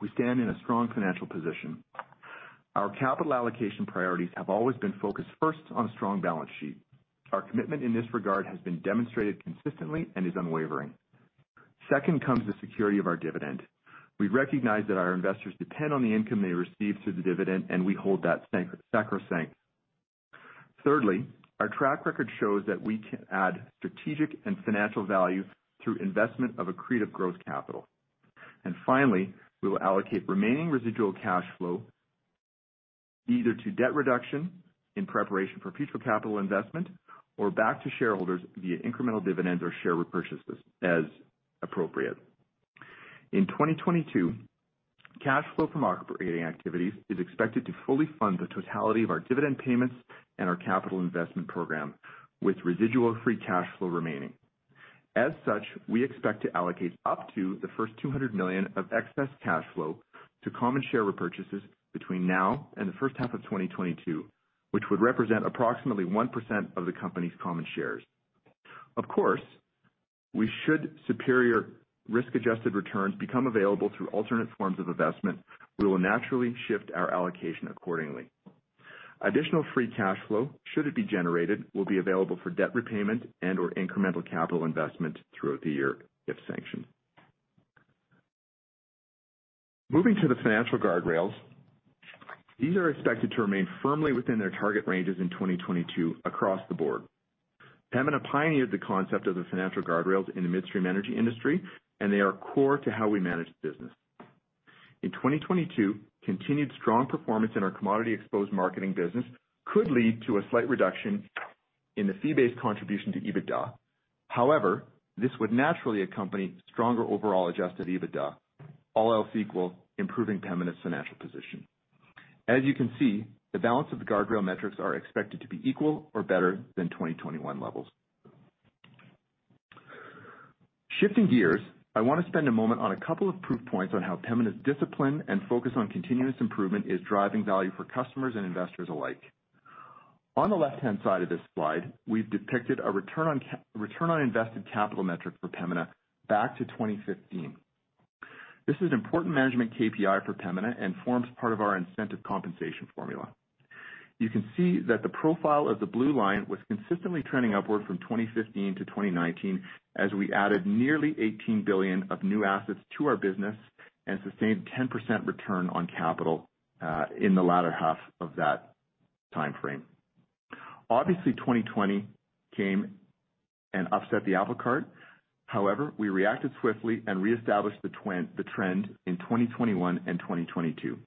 we stand in a strong financial position. Our capital allocation priorities have always been focused first on a strong balance sheet. Our commitment in this regard has been demonstrated consistently and is unwavering. Second comes the security of our dividend. We recognize that our investors depend on the income they receive through the dividend, and we hold that sacrosanct. Thirdly, our track record shows that we can add strategic and financial value through investment of accretive growth capital. Finally, we will allocate remaining residual cash flow either to debt reduction in preparation for future capital investment or back to shareholders via incremental dividends or share repurchases as appropriate. In 2022, cash flow from operating activities is expected to fully fund the totality of our dividend payments and our capital investment program with residual free cash flow remaining. As such, we expect to allocate up to the first 200 million of excess cash flow to common share repurchases between now and the first half of 2022, which would represent approximately 1% of the company's common shares. Of course, should superior risk-adjusted returns become available through alternate forms of investment, we will naturally shift our allocation accordingly. Additional free cash flow, should it be generated, will be available for debt repayment and/or incremental capital investment throughout the year if sanctioned. Moving to the financial guardrails, these are expected to remain firmly within their target ranges in 2022 across the board. Pembina pioneered the concept of the financial guardrails in the midstream energy industry, and they are core to how we manage the business. In 2022, continued strong performance in our commodity-exposed marketing business could lead to a slight reduction in the fee-based contribution to EBITDA. However, this would naturally accompany stronger overall Adjusted EBITDA, all else equal, improving Pembina's financial position. As you can see, the balance of the guardrail metrics are expected to be equal or better than 2021 levels. Shifting gears, I wanna spend a moment on a couple of proof points on how Pembina's discipline and focus on continuous improvement is driving value for customers and investors alike. On the left-hand side of this slide, we've depicted a return on invested capital metric for Pembina back to 2015. This is an important management KPI for Pembina and forms part of our incentive compensation formula. You can see that the profile of the blue line was consistently trending upward from 2015 to 2019 as we added nearly 18 billion of new assets to our business and sustained 10% return on capital in the latter half of that timeframe. Obviously, 2020 came and upset the apple cart. However, we reacted swiftly and re-established the trend in 2021 and 2022.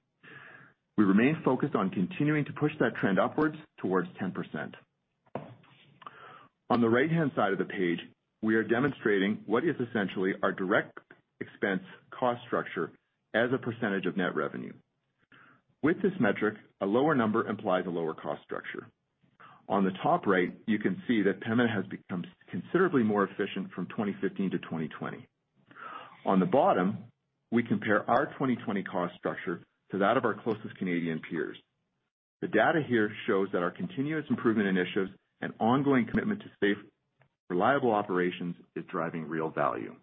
We remain focused on continuing to push that trend upwards towards 10%. On the right-hand side of the page, we are demonstrating what is essentially our direct expense cost structure as a percentage of net revenue. With this metric, a lower number implies a lower cost structure. On the top right, you can see that Pembina has become considerably more efficient from 2015 to 2020. On the bottom, we compare our 2020 cost structure to that of our closest Canadian peers. The data here shows that our continuous improvement initiatives and ongoing commitment to safe, reliable operations is driving real value.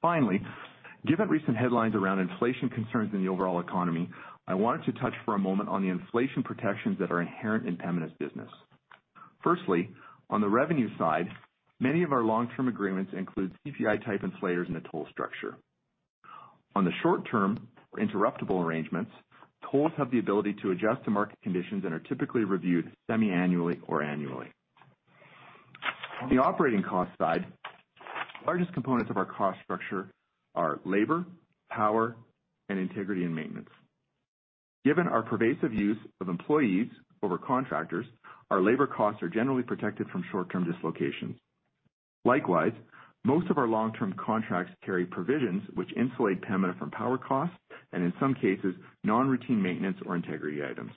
Finally, given recent headlines around inflation concerns in the overall economy, I wanted to touch for a moment on the inflation protections that are inherent in Pembina's business. Firstly, on the revenue side, many of our long-term agreements include CPI-type inflators in the toll structure. On the short-term or interruptible arrangements, tolls have the ability to adjust to market conditions and are typically reviewed semi-annually or annually. On the operating cost side, largest components of our cost structure are labor, power, and integrity and maintenance. Given our pervasive use of employees over contractors, our labor costs are generally protected from short-term dislocations. Likewise, most of our long-term contracts carry provisions which insulate Pembina from power costs and in some cases, non-routine maintenance or integrity items.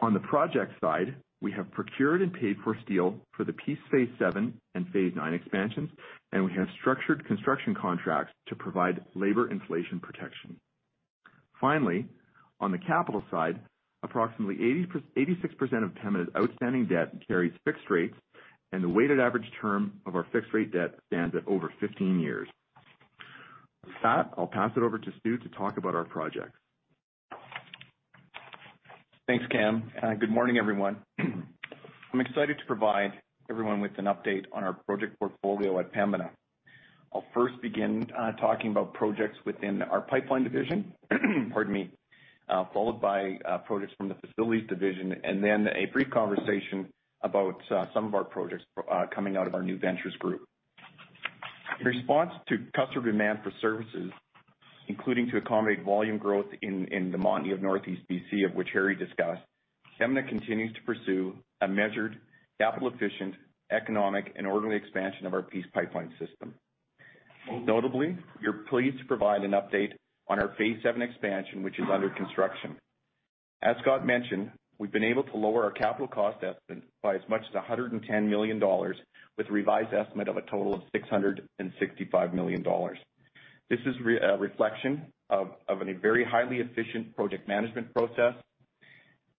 On the project side, we have procured and paid for steel for the Peace phase VII and phase IX expansions, and we have structured construction contracts to provide labor inflation protection. Finally, on the capital side, approximately 80%-86% of Pembina's outstanding debt carries fixed rates, and the weighted average term of our fixed-rate debt stands at over 15 years. With that, I'll pass it over to Stu to talk about our projects. Thanks, Cam. Good morning, everyone. I'm excited to provide everyone with an update on our project portfolio at Pembina. I'll first begin talking about projects within our pipeline division, pardon me, followed by projects from the facilities division and then a brief conversation about some of our projects coming out of our new ventures group. In response to customer demand for services, including to accommodate volume growth in the Montney of Northeast BC, of which Harry discussed, Pembina continues to pursue a measured, capital-efficient, economic, and orderly expansion of our Peace Pipeline system. Most notably, we're pleased to provide an update on our phase VII expansion, which is under construction. As Scott mentioned, we've been able to lower our capital cost estimate by as much as 110 million dollars with revised estimate of a total of 665 million dollars. This is a reflection of a very highly efficient project management process,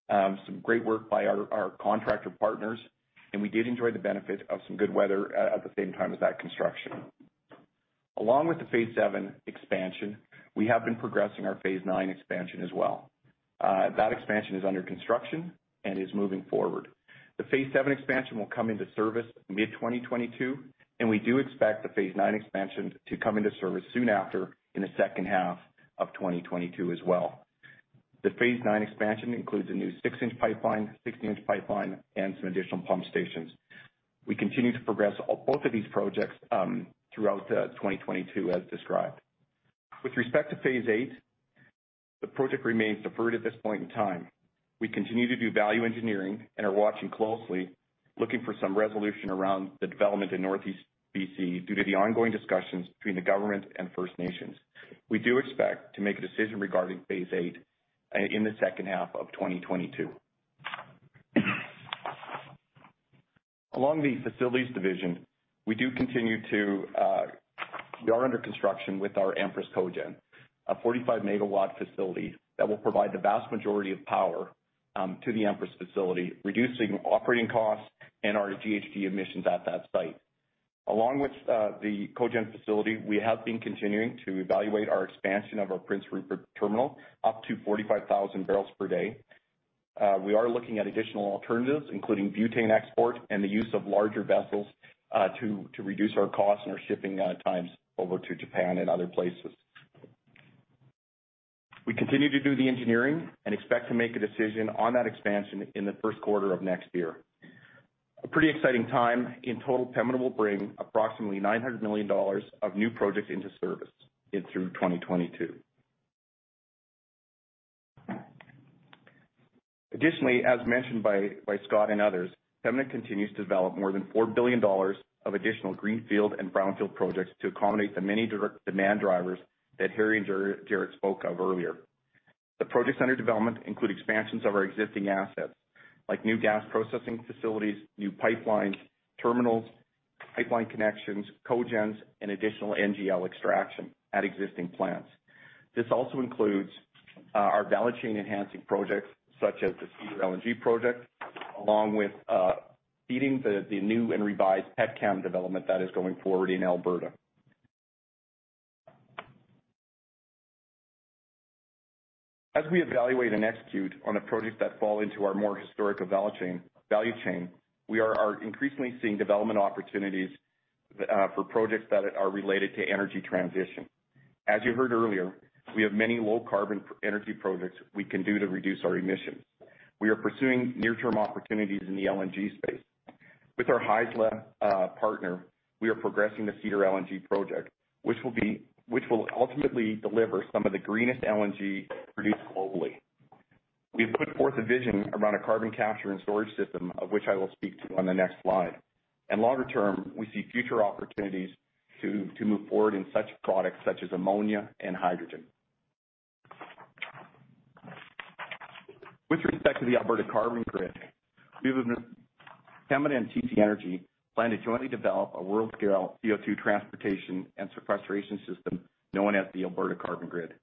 some great work by our contractor partners, and we did enjoy the benefit of some good weather at the same time as that construction. Along with the phase VII expansion, we have been progressing our phase IX expansion as well. That expansion is under construction and is moving forward. The phase VII expansion will come into service mid-2022, and we do expect the phase IX expansion to come into service soon after in the second half of 2022 as well. The phase IX expansion includes a new six-inch pipeline, 16-inch pipeline, and some additional pump stations. We continue to progress both of these projects throughout 2022 as described. With respect to phase VIII, the project remains deferred at this point in time. We continue to do value engineering and are watching closely, looking for some resolution around the development in Northeast BC due to the ongoing discussions between the government and First Nations. We do expect to make a decision regarding phase VIII in the second half of 2022. In the Facilities division, we are under construction with our Empress cogeneration, a 45-MW facility that will provide the vast majority of power to the Empress facility, reducing operating costs and our GHG emissions at that site. Along with the cogeneration facility, we have been continuing to evaluate our expansion of our Prince Rupert Terminal up to 45,000 barrels per day. We are looking at additional alternatives, including butane export and the use of larger vessels, to reduce our costs and our shipping times over to Japan and other places. We continue to do the engineering and expect to make a decision on that expansion in the first quarter of next year. A pretty exciting time. In total, Pembina will bring approximately 900 million dollars of new projects into service in and through 2022. Additionally, as mentioned by Scott and others, Pembina continues to develop more than 4 billion dollars of additional greenfield and brownfield projects to accommodate the many diverse demand drivers that Harry and Jaret spoke of earlier. The projects under development include expansions of our existing assets, like new gas processing facilities, new pipelines, terminals, pipeline connections, cogens, and additional NGL extraction at existing plants. This also includes our value chain enhancing projects such as the Cedar LNG project, along with feeding the new and revised petrochemical development that is going forward in Alberta. As we evaluate and execute on a project that fall into our more historical value chain, we are increasingly seeing development opportunities for projects that are related to energy transition. As you heard earlier, we have many low carbon energy projects we can do to reduce our emissions. We are pursuing near-term opportunities in the LNG space. With our Haisla partner, we are progressing the Cedar LNG project, which will ultimately deliver some of the greenest LNG produced globally. We've put forth a vision around a carbon capture and storage system, of which I will speak to on the next slide. Longer term, we see future opportunities to move forward in such products such as ammonia and hydrogen. With respect to the Alberta Carbon Grid, Pembina and TC Energy plan to jointly develop a world-scale CO₂ transportation and sequestration system known as the Alberta Carbon Grid.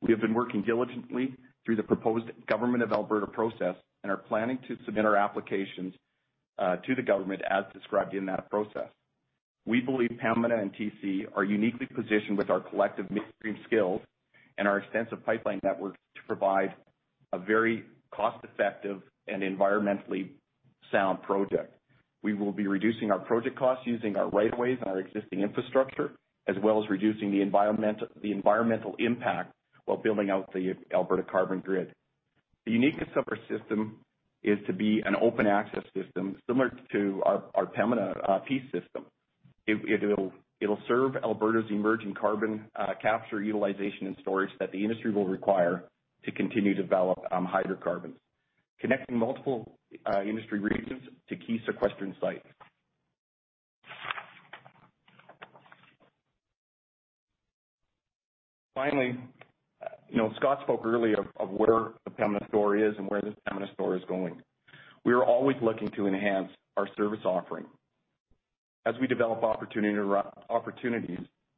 We have been working diligently through the proposed government of Alberta process and are planning to submit our applications to the government as described in that process. We believe Pembina and TC are uniquely positioned with our collective midstream skills and our extensive pipeline network to provide a very cost-effective and environmentally sound project. We will be reducing our project costs using our right of ways and our existing infrastructure, as well as reducing the environmental impact while building out the Alberta Carbon Grid. The uniqueness of our system is to be an open access system, similar to our Pembina Peace system. It'll serve Alberta's emerging carbon capture, utilization and storage that the industry will require to continue to develop hydrocarbons, connecting multiple industry regions to key sequestering sites. Finally, you know, Scott spoke earlier of where the Pembina story is and where the Pembina story is going. We are always looking to enhance our service offering. As we develop opportunities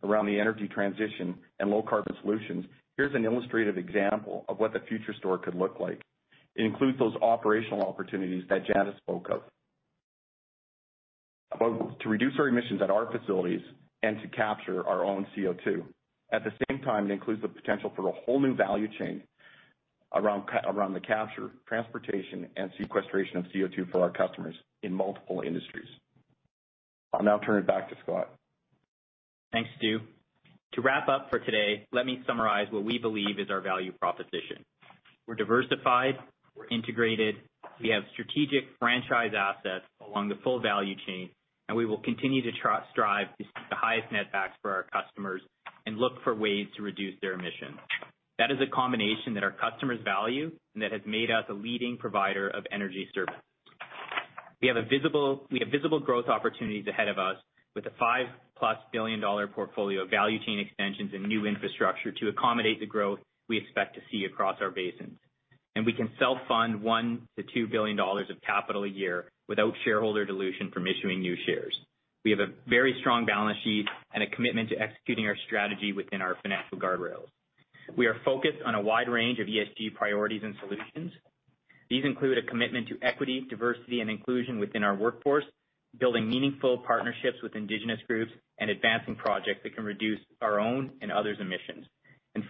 around the energy transition and low carbon solutions, here's an illustrative example of what the future Pembina Store could look like. It includes those operational opportunities that Jaret spoke of. About to reduce our emissions at our facilities and to capture our own CO₂. At the same time, it includes the potential for a whole new value chain around the capture, transportation, and sequestration of CO₂ for our customers in multiple industries. I'll now turn it back to Scott. Thanks, Stu. To wrap up for today, let me summarize what we believe is our value proposition. We're diversified, we're integrated, we have strategic franchise assets along the full value chain, and we will continue to strive to seek the highest net backs for our customers and look for ways to reduce their emissions. That is a combination that our customers value and that has made us a leading provider of energy services. We have visible growth opportunities ahead of us with a 5+ billion dollar portfolio of value chain extensions and new infrastructure to accommodate the growth we expect to see across our basins. We can self-fund 1 billion-2 billion dollars of capital a year without shareholder dilution from issuing new shares. We have a very strong balance sheet and a commitment to executing our strategy within our financial guardrails. We are focused on a wide range of ESG priorities and solutions. These include a commitment to equity, diversity, and inclusion within our workforce, building meaningful partnerships with Indigenous groups, and advancing projects that can reduce our own and others' emissions.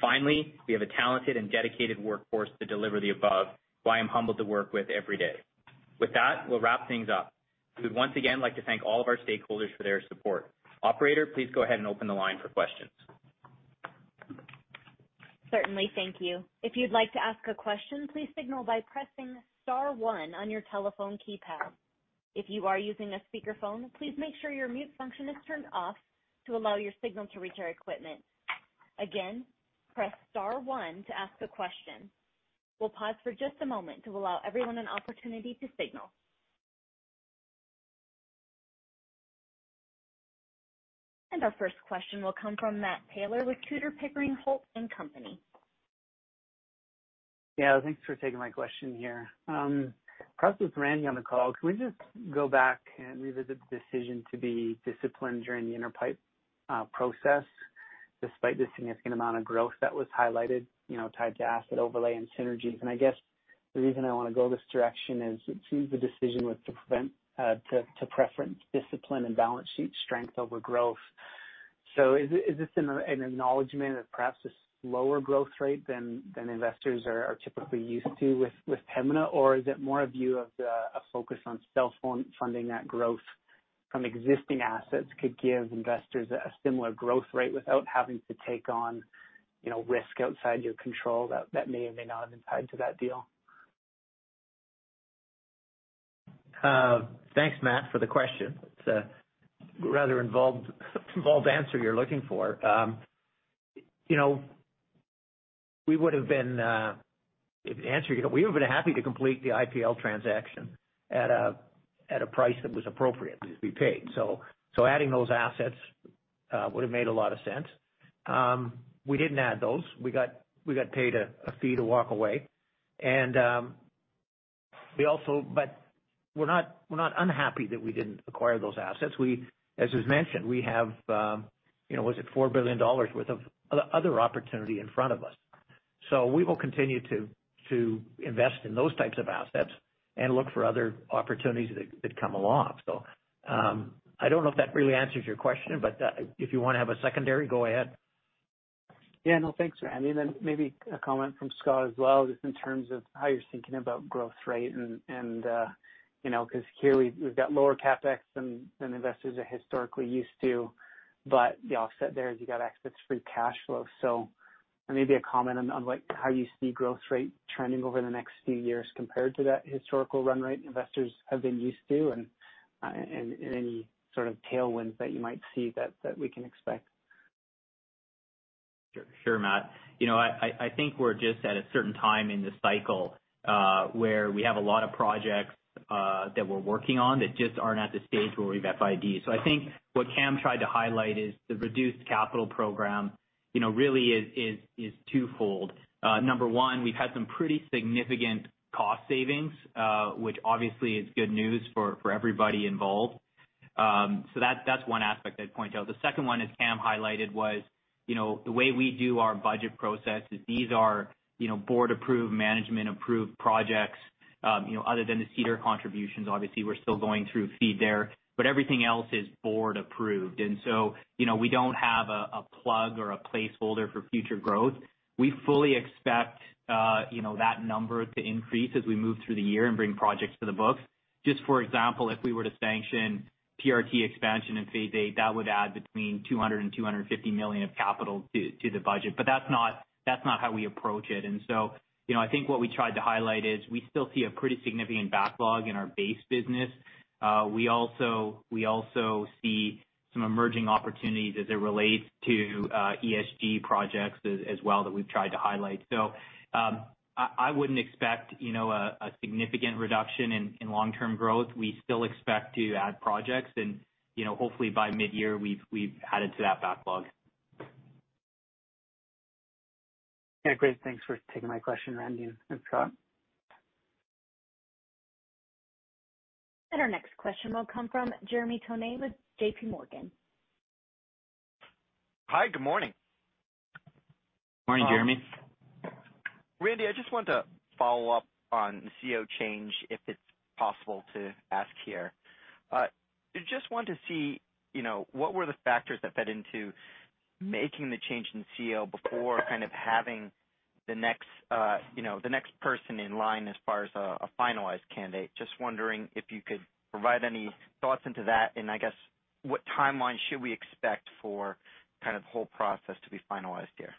Finally, we have a talented and dedicated workforce to deliver the above, who I am humbled to work with every day. With that, we'll wrap things up. We would once again like to thank all of our stakeholders for their support. Operator, please go ahead and open the line for questions. Certainly. Thank you. If you'd like to ask a question, please signal by pressing star one on your telephone keypad. If you are using a speakerphone, please make sure your mute function is turned off to allow your signal to reach our equipment. Again, press star one to ask a question. We'll pause for just a moment to allow everyone an opportunity to signal. Our first question will come from Matt Taylor with Tudor, Pickering, Holt & Co. Yeah, thanks for taking my question here. Perhaps with Randy on the call, can we just go back and revisit the decision to be disciplined during the Inter Pipeline process, despite the significant amount of growth that was highlighted, you know, tied to asset overlay and synergies? I guess the reason I wanna go this direction is it seems the decision was to prioritize discipline and balance sheet strength overgrowth. Is this an acknowledgement of perhaps a slower growth rate than investors are typically used to with Pembina? Or is it more a view of a focus on self-funding that growth from existing assets could give investors a similar growth rate without having to take on, you know, risk outside your control that may or may not have been tied to that deal? Thanks, Matt, for the question. It's a rather involved answer you're looking for. You know, we would've been happy to complete the IPL transaction at a price that was appropriate to be paid. Adding those assets would've made a lot of sense. We didn't add those. We got paid a fee to walk away. We're not unhappy that we didn't acquire those assets. We, as was mentioned, have 4 billion dollars worth of other opportunity in front of us. We will continue to invest in those types of assets and look for other opportunities that come along. I don't know if that really answers your question, but if you wanna have a secondary, go ahead. Yeah, no, thanks, Randy. Then maybe a comment from Scott as well, just in terms of how you're thinking about growth rate and, you know, 'cause here we've got lower CapEx than investors are historically used to, but the offset there is you've got excess free cash flow. Maybe a comment on, like, how you see growth rate trending over the next few years compared to that historical run rate investors have been used to, and any sort of tailwinds that you might see that we can expect. Sure, Matt. You know, I think we're just at a certain time in the cycle, where we have a lot of projects that we're working on that just aren't at the stage where we've FID. I think what Cam tried to highlight is the reduced capital program, you know, really is twofold. Number one, we've had some pretty significant cost savings, which obviously is good news for everybody involved. That's one aspect I'd point out. The second one, as Cam highlighted, was, you know, the way we do our budget process is these are, you know, board-approved, management-approved projects. You know, other than the Cedar contributions, obviously, we're still going through feed there, but everything else is board-approved. You know, we don't have a plug or a placeholder for future growth. We fully expect, you know, that number to increase as we move through the year and bring projects to the books. Just for example, if we were to sanction PRT expansion in phase VIII, that would add between 200 million-250 million of capital to the budget. But that's not how we approach it. You know, I think what we tried to highlight is we still see a pretty significant backlog in our base business. We also see some emerging opportunities as it relates to ESG projects as well that we've tried to highlight. I wouldn't expect, you know, a significant reduction in long-term growth. We still expect to add projects and, you know, hopefully by midyear, we've added to that backlog. Yeah. Great. Thanks for taking my question, Randy and Scott. Our next question will come from Jeremy Tonet with J.P. Morgan. Hi, good morning. Morning, Jeremy. Randy, I just wanted to follow up on the CEO change, if it's possible to ask here. Just wanted to see, you know, what were the factors that fed into making the change in CEO before kind of having the next, you know, the next person in line as far as a finalized candidate? Just wondering if you could provide any thoughts into that, and I guess what timeline should we expect for kind of the whole process to be finalized here?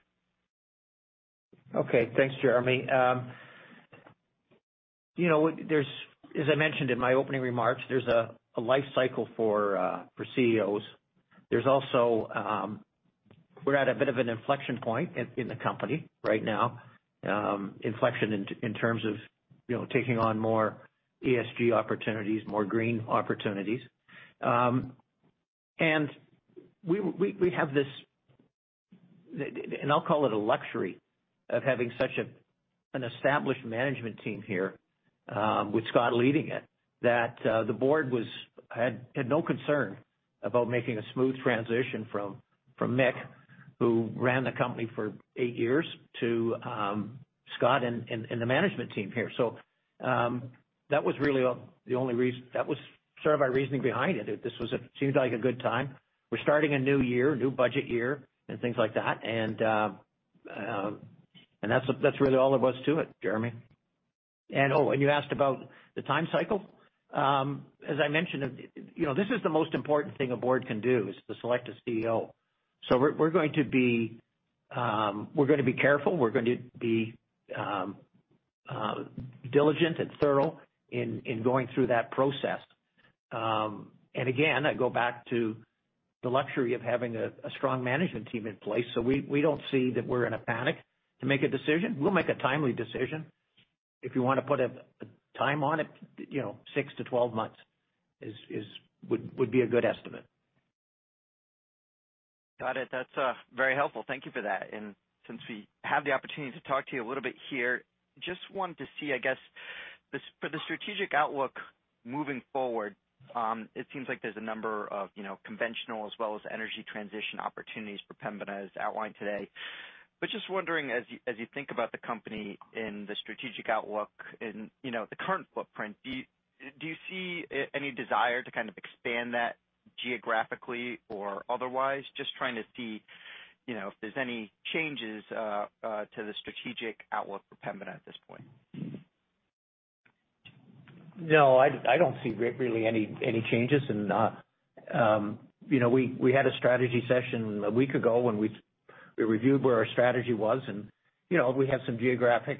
Okay. Thanks, Jeremy. You know, there's, as I mentioned in my opening remarks, there's a life cycle for CEOs. There's also. We're at a bit of an inflection point in the company right now, inflection in terms of, you know, taking on more ESG opportunities, more green opportunities. And we have this, and I'll call it a luxury of having such an established management team here, with Scott leading it, that the board had no concern about making a smooth transition from Mick, who ran the company for eight years, to Scott and the management team here. That was really the only reason that was sort of our reasoning behind it, that this seems like a good time. We're starting a new year, new budget year, and things like that. That's really all there was to it, Jeremy. Oh, and you asked about the time cycle. As I mentioned, you know, this is the most important thing a board can do, is to select a CEO. We're going to be careful. We're going to be diligent and thorough in going through that process. Again, I go back to the luxury of having a strong management team in place. We don't see that we're in a panic to make a decision. We'll make a timely decision. If you wanna put a time on it, you know, six-12 months would be a good estimate. Got it. That's very helpful. Thank you for that. Since we have the opportunity to talk to you a little bit here, just wanted to see, I guess, for the strategic outlook moving forward, it seems like there's a number of, you know, conventional as well as energy transition opportunities for Pembina as outlined today. But just wondering, as you think about the company and the strategic outlook and, you know, the current footprint, do you see any desire to kind of expand that geographically or otherwise? Just trying to see, you know, if there's any changes to the strategic outlook for Pembina at this point. No, I don't see really any changes. You know, we had a strategy session a week ago when we reviewed where our strategy was. You know, we have some geographic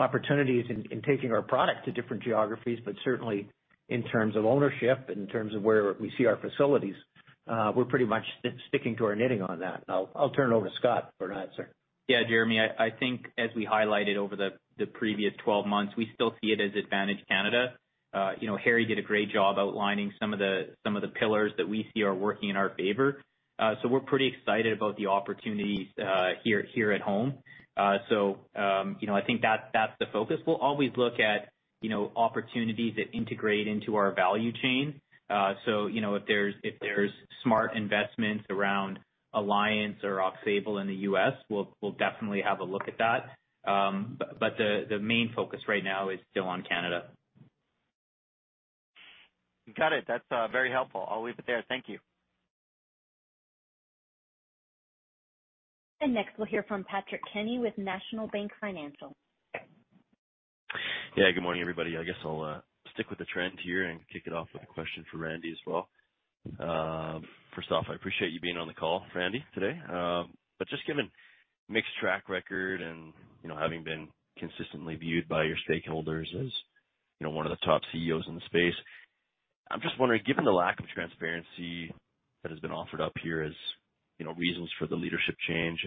opportunities in taking our product to different geographies. Certainly in terms of ownership, in terms of where we see our facilities, we're pretty much sticking to our knitting on that. I'll turn it over to Scott for an answer. Yeah, Jeremy, I think as we highlighted over the previous 12 months, we still see it as Advantage Canada. You know, Harry did a great job outlining some of the pillars that we see are working in our favor. We're pretty excited about the opportunities here at home. You know, I think that's the focus. We'll always look at you know, opportunities that integrate into our value chain. If there's smart investments around Alliance or Aux Sable in the U.S., we'll definitely have a look at that. The main focus right now is still on Canada. Got it. That's very helpful. I'll leave it there. Thank you. Next, we'll hear from Patrick Kenny with National Bank Financial. Yeah. Good morning, everybody. I guess I'll stick with the trend here and kick it off with a question for Randy as well. First off, I appreciate you being on the call, Randy, today. Just given mixed track record and, you know, having been consistently viewed by your stakeholders as, you know, one of the top CEOs in the space, I'm just wondering, given the lack of transparency that has been offered up here as, you know, reasons for the leadership change,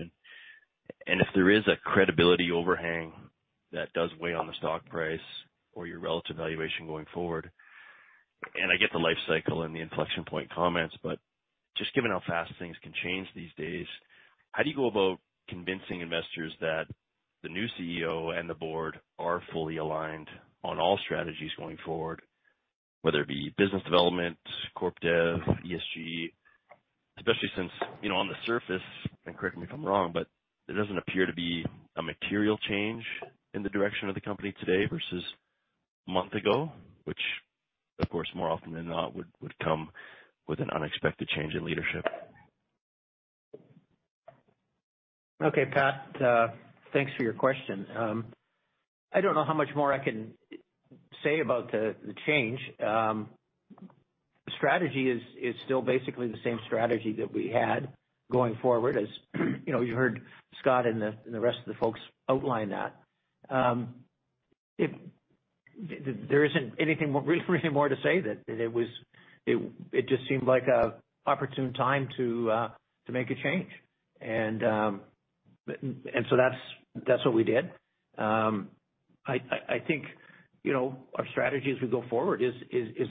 and if there is a credibility overhang that does weigh on the stock price or your relative valuation going forward, and I get the life cycle and the inflection point comments, but just given how fast things can change these days, how do you go about convincing investors that the new CEO and the board are fully aligned on all strategies going forward, whether it be business development, corp dev, ESG, especially since, you know, on the surface, and correct me if I'm wrong, but it doesn't appear to be a material change in the direction of the company today versus a month ago, which of course, more often than not, would come with an unexpected change in leadership. Okay, Pat, thanks for your question. I don't know how much more I can say about the change. The strategy is still basically the same strategy that we had going forward, as you know, you heard Scott and the rest of the folks outline that. There isn't anything really more to say. It just seemed like an opportune time to make a change. So that's what we did. I think, you know, our strategy as we go forward is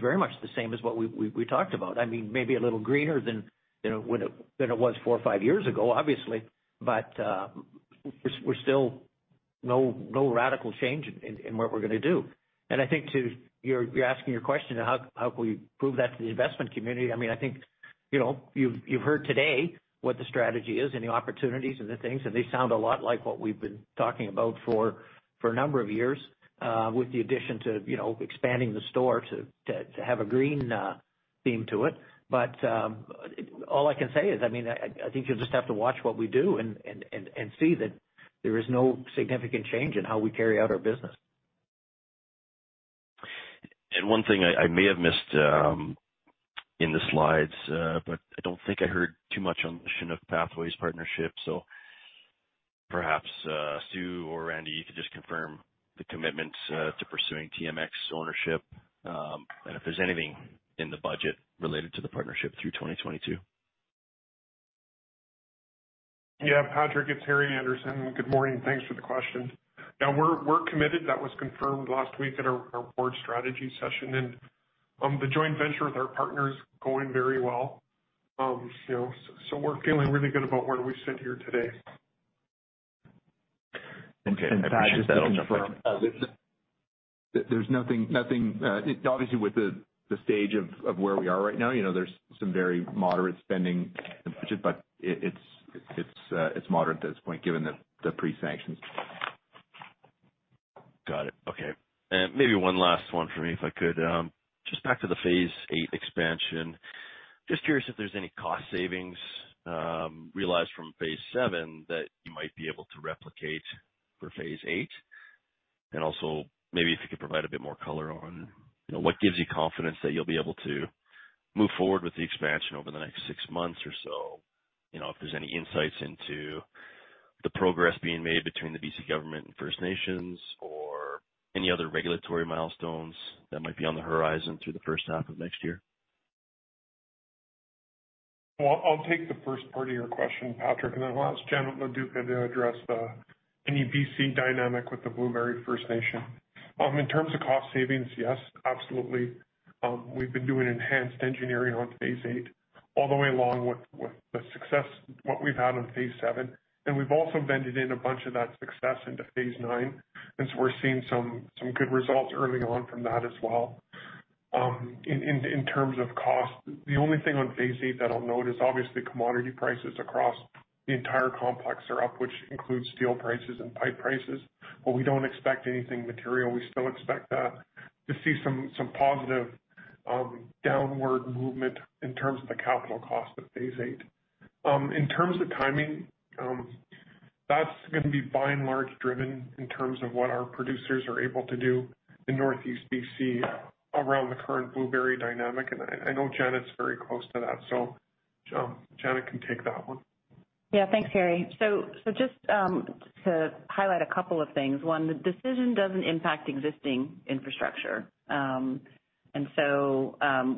very much the same as what we talked about. I mean, maybe a little greener than it was four or five years ago, obviously. We're still no radical change in what we're gonna do. I think you're asking your question, how can we prove that to the investment community? I mean, I think, you know, you've heard today what the strategy is and the opportunities and the things, and they sound a lot like what we've been talking about for a number of years with the addition to, you know, expanding the store to have a green theme to it. All I can say is, I mean, I think you'll just have to watch what we do and see that there is no significant change in how we carry out our business. One thing I may have missed in the slides, but I don't think I heard too much on the Chinook Pathways partnership. Perhaps Sue or Randy, you could just confirm the commitment to pursuing TMX ownership, and if there's anything in the budget related to the partnership through 2022. Yeah, Patrick, it's Harry Andersen. Good morning. Thanks for the question. Yeah, we're committed. That was confirmed last week at our board strategy session. The joint venture with our partner is going very well. You know, so we're feeling really good about where we sit here today. Okay. Appreciate that. Pat, just to confirm, there's nothing. Obviously with the stage of where we are right now, you know, there's some very moderate spending in the budget, but it's moderate at this point, given the pre-sanctions. Got it. Okay. Maybe one last one for me, if I could. Just back to the phase VIII expansion. Just curious if there's any cost savings realized from phase VII that you might be able to replicate for phase VIII. Also, maybe if you could provide a bit more color on, you know, what gives you confidence that you'll be able to move forward with the expansion over the next six months or so. You know, if there's any insights into the progress being made between the B.C. government and First Nations or any other regulatory milestones that might be on the horizon through the first half of next year. Well, I'll take the first part of your question, Patrick, and then I'll ask Janet Loduca to address any BC dynamic with the Blueberry River First Nations. In terms of cost savings, yes, absolutely. We've been doing enhanced engineering on phase VIII all the way along with the success we've had on phase VII. We've also integrated a bunch of that success into phase IX, and so we're seeing some good results early on from that as well. In terms of cost, the only thing on phase VIII that I'll note is obviously commodity prices across the entire complex are up, which includes steel prices and pipe prices. We don't expect anything material. We still expect to see some positive downward movement in terms of the capital cost of phase VIII. In terms of timing, that's gonna be by and large driven in terms of what our producers are able to do in Northeast B.C. around the current Blueberry dynamic. I know Janet's very close to that, so Janet can take that one. Yeah. Thanks, Harry. Just to highlight a couple of things. One, the decision doesn't impact existing infrastructure.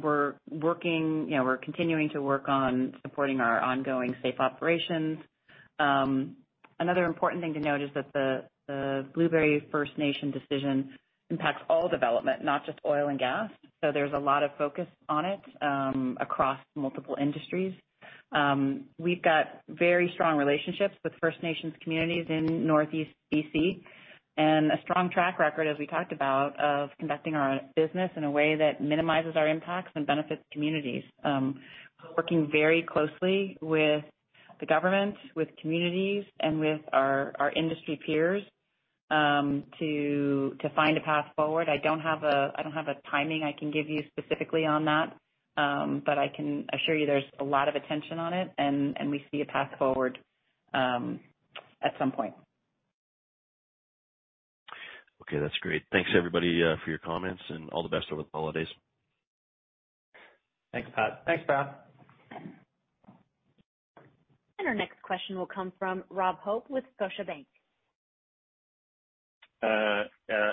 We're working, you know, to continue to work on supporting our ongoing safe operations. Another important thing to note is that the Blueberry River First Nations decision impacts all development, not just oil and gas. There's a lot of focus on it across multiple industries. We've got very strong relationships with First Nations communities in Northeast BC and a strong track record, as we talked about, of conducting our business in a way that minimizes our impacts and benefits communities, working very closely with the government, with communities, and with our industry peers to find a path forward. I don't have a timing I can give you specifically on that, but I can assure you there's a lot of attention on it and we see a path forward, at some point. Okay, that's great. Thanks everybody for your comments and all the best over the holidays. Thanks, Pat. Thanks, Pat. Our next question will come from Rob Hope with Scotiabank.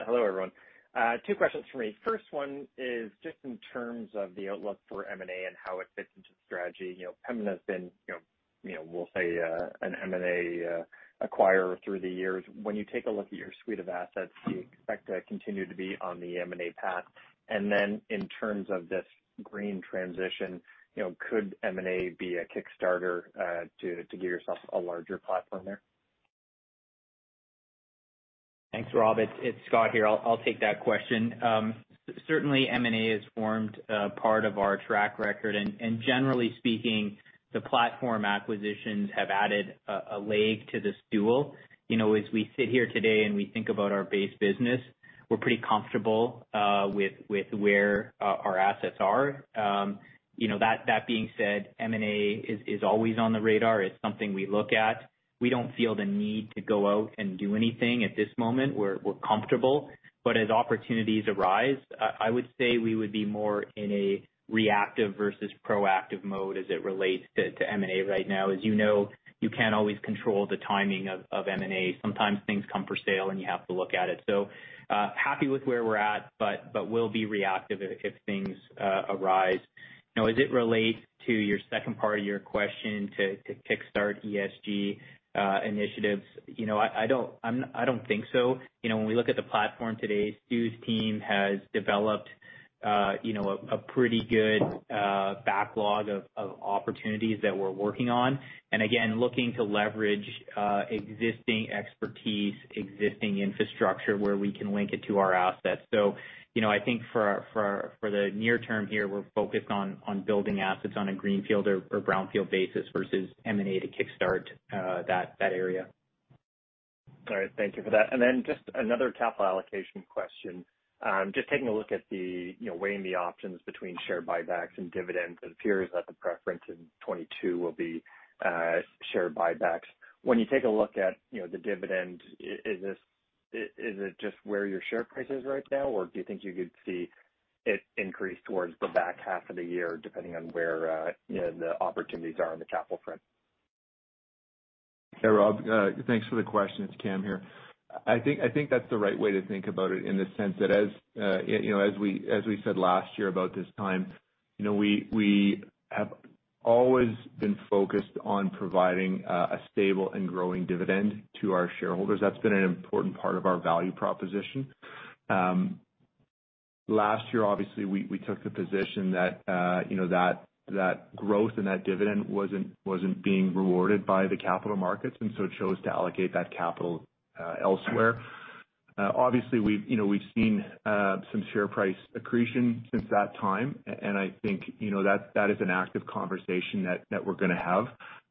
Hello, everyone. Two questions for me. First one is just in terms of the outlook for M&A and how it fits into the strategy. You know, Pembina has been, you know, we'll say, an M&A acquirer through the years. When you take a look at your suite of assets, do you expect to continue to be on the M&A path? In terms of this green transition, you know, could M&A be a kick starter to give yourself a larger platform there? Thanks, Rob. It's Scott here. I'll take that question. Certainly M&A has formed part of our track record. Generally speaking, the platform acquisitions have added a leg to the stool. You know, as we sit here today and we think about our base business, we're pretty comfortable with where our assets are. You know, that being said, M&A is always on the radar. It's something we look at. We don't feel the need to go out and do anything at this moment. We're comfortable. As opportunities arise, I would say we would be more in a reactive versus proactive mode as it relates to M&A right now. As you know, you can't always control the timing of M&A. Sometimes things come for sale, and you have to look at it. Happy with where we're at, but we'll be reactive if things arise. Now, as it relates to your second part of your question to kickstart ESG initiatives, you know, I don't think so. You know, when we look at the platform today, Stu's team has developed, you know, a pretty good backlog of opportunities that we're working on. Again, looking to leverage existing expertise, existing infrastructure where we can link it to our assets. You know, I think for the near term here, we're focused on building assets on a greenfield or brownfield basis versus M&A to kickstart that area. All right. Thank you for that. Just another capital allocation question. Just taking a look at the, you know, weighing the options between share buybacks and dividends, it appears that the preference in 2022 will be share buybacks. When you take a look at, you know, the dividend, is it just where your share price is right now, or do you think you could see it increase towards the back half of the year, depending on where, you know, the opportunities are on the capital front? Hey, Rob. Thanks for the question. It's Cam here. I think that's the right way to think about it in the sense that as you know, as we said last year about this time, you know, we have always been focused on providing a stable and growing dividend to our shareholders. That's been an important part of our value proposition. Last year, obviously, we took the position that you know, that growth and that dividend wasn't being rewarded by the capital markets, and so chose to allocate that capital elsewhere. Obviously, we've you know, seen some share price accretion since that time. I think you know, that is an active conversation that we're gonna have.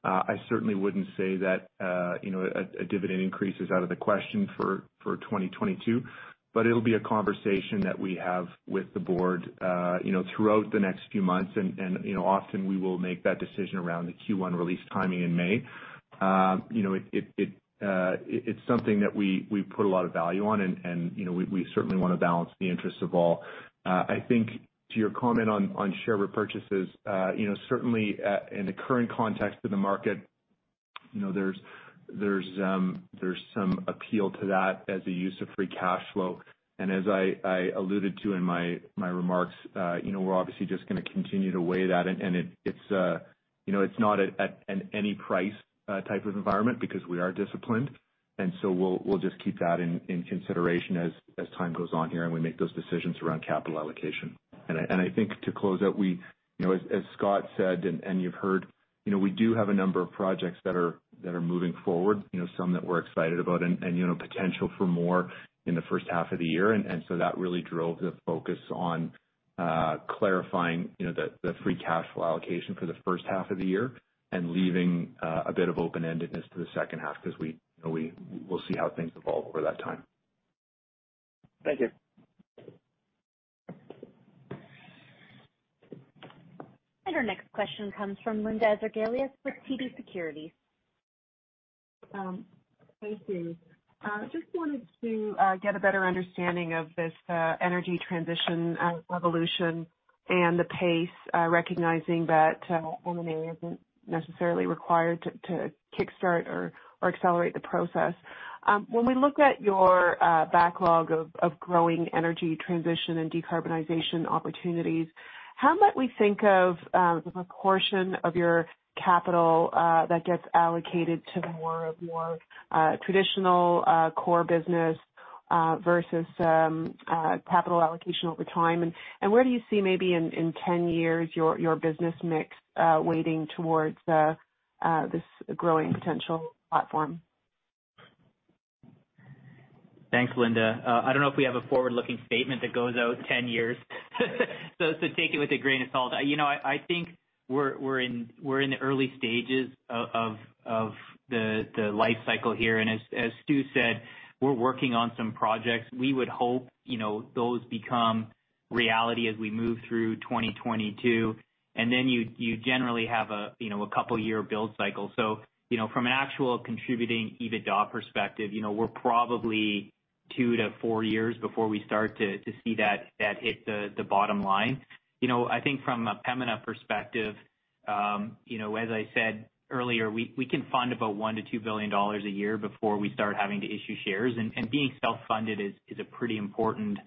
I certainly wouldn't say that, you know, a dividend increase is out of the question for 2022, but it'll be a conversation that we have with the board, you know, throughout the next few months. Often we will make that decision around the Q1 release timing in May. You know, it's something that we put a lot of value on and, you know, we certainly wanna balance the interests of all. I think to your comment on share repurchases, you know, certainly, in the current context of the market, you know, there's some appeal to that as a use of free cash flow. As I alluded to in my remarks, you know, we're obviously just gonna continue to weigh that. It's not at any price type of environment because we are disciplined. We'll just keep that in consideration as time goes on here and we make those decisions around capital allocation. I think to close out, you know, as Scott said, and you've heard, you know, we do have a number of projects that are moving forward, you know, some that we're excited about and, you know, potential for more in the first half of the year. That really drove the focus on clarifying, you know, the free cash flow allocation for the first half of the year and leaving a bit of open-endedness to the second half 'cause we, you know, we'll see how things evolve over that time. Thank you. Our next question comes from Linda Ezergailis with TD Securities. Thank you. Just wanted to get a better understanding of this energy transition revolution and the pace, recognizing that M&A isn't necessarily required to kickstart or accelerate the process. When we look at your backlog of growing energy transition and decarbonization opportunities. How might we think of the proportion of your capital that gets allocated to more of your traditional core business versus capital allocation over time? Where do you see maybe in 10 years your business mix weighting towards this growing potential platform? Thanks, Linda. I don't know if we have a forward-looking statement that goes out 10 years. So take it with a grain of salt. You know, I think we're in the early stages of the life cycle here. As Stu said, we're working on some projects. We would hope, you know, those become reality as we move through 2022. Then you generally have a couple year build cycle. From an actual contributing EBITDA perspective, you know, we're probably two-four years before we start to see that hit the bottom line. You know, I think from a Pembina perspective, you know, as I said earlier, we can fund about 1 billion-2 billion dollars a year before we start having to issue shares. Being self-funded is a pretty important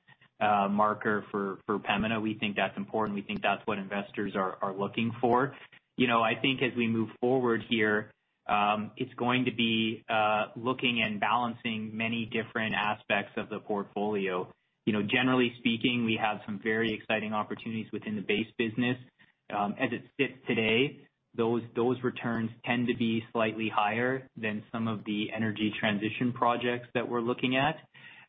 marker for Pembina. We think that's important. We think that's what investors are looking for. You know, I think as we move forward here, it's going to be looking and balancing many different aspects of the portfolio. You know, generally speaking, we have some very exciting opportunities within the base business. As it sits today, those returns tend to be slightly higher than some of the energy transition projects that we're looking at.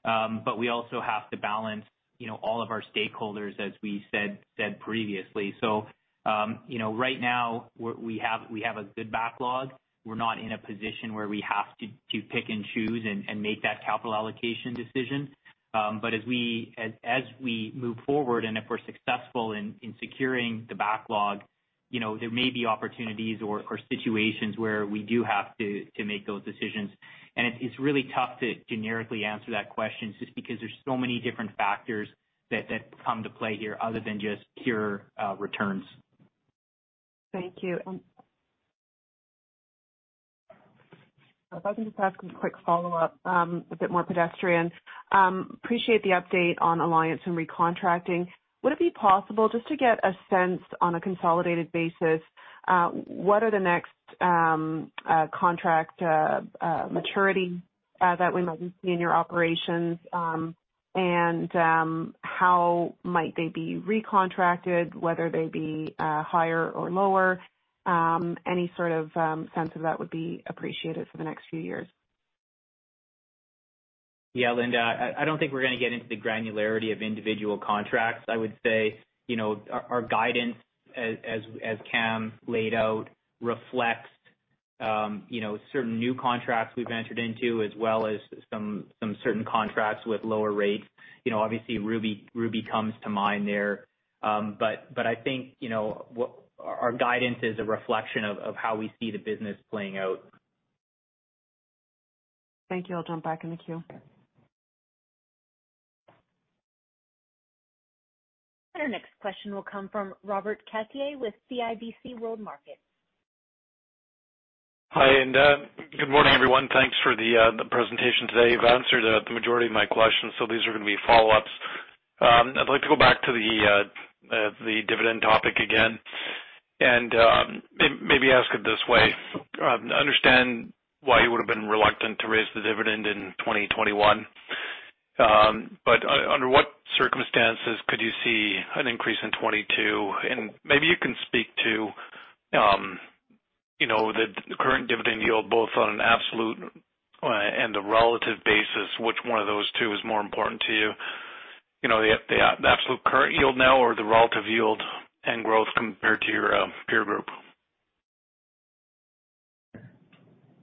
But we also have to balance, you know, all of our stakeholders, as we said previously. You know, right now we have a good backlog. We're not in a position where we have to pick and choose and make that capital allocation decision. As we move forward and if we're successful in securing the backlog, you know, there may be opportunities or situations where we do have to make those decisions. It's really tough to generically answer that question just because there's so many different factors that come to play here other than just pure returns. Thank you. If I can just ask a quick follow-up, a bit more pedestrian. Appreciate the update on Alliance and recontracting. Would it be possible just to get a sense on a consolidated basis, what are the next contract maturity that we might see in your operations? How might they be recontracted, whether they be higher or lower? Any sort of sense of that would be appreciated for the next few years. Yeah, Linda, I don't think we're gonna get into the granularity of individual contracts. I would say, you know, our guidance as Cam laid out reflects, you know, certain new contracts we've entered into as well as some certain contracts with lower rates. You know, obviously Ruby comes to mind there. I think, you know, our guidance is a reflection of how we see the business playing out. Thank you. I'll jump back in the queue. Our next question will come from Robert Catellier with CIBC World Markets. Hi, good morning, everyone. Thanks for the presentation today. You've answered the majority of my questions, so these are gonna be follow-ups. I'd like to go back to the dividend topic again and maybe ask it this way. I understand why you would have been reluctant to raise the dividend in 2021. Under what circumstances could you see an increase in 2022? Maybe you can speak to you know the current dividend yield both on an absolute and a relative basis, which one of those two is more important to you? You know, the absolute current yield now, or the relative yield and growth compared to your peer group?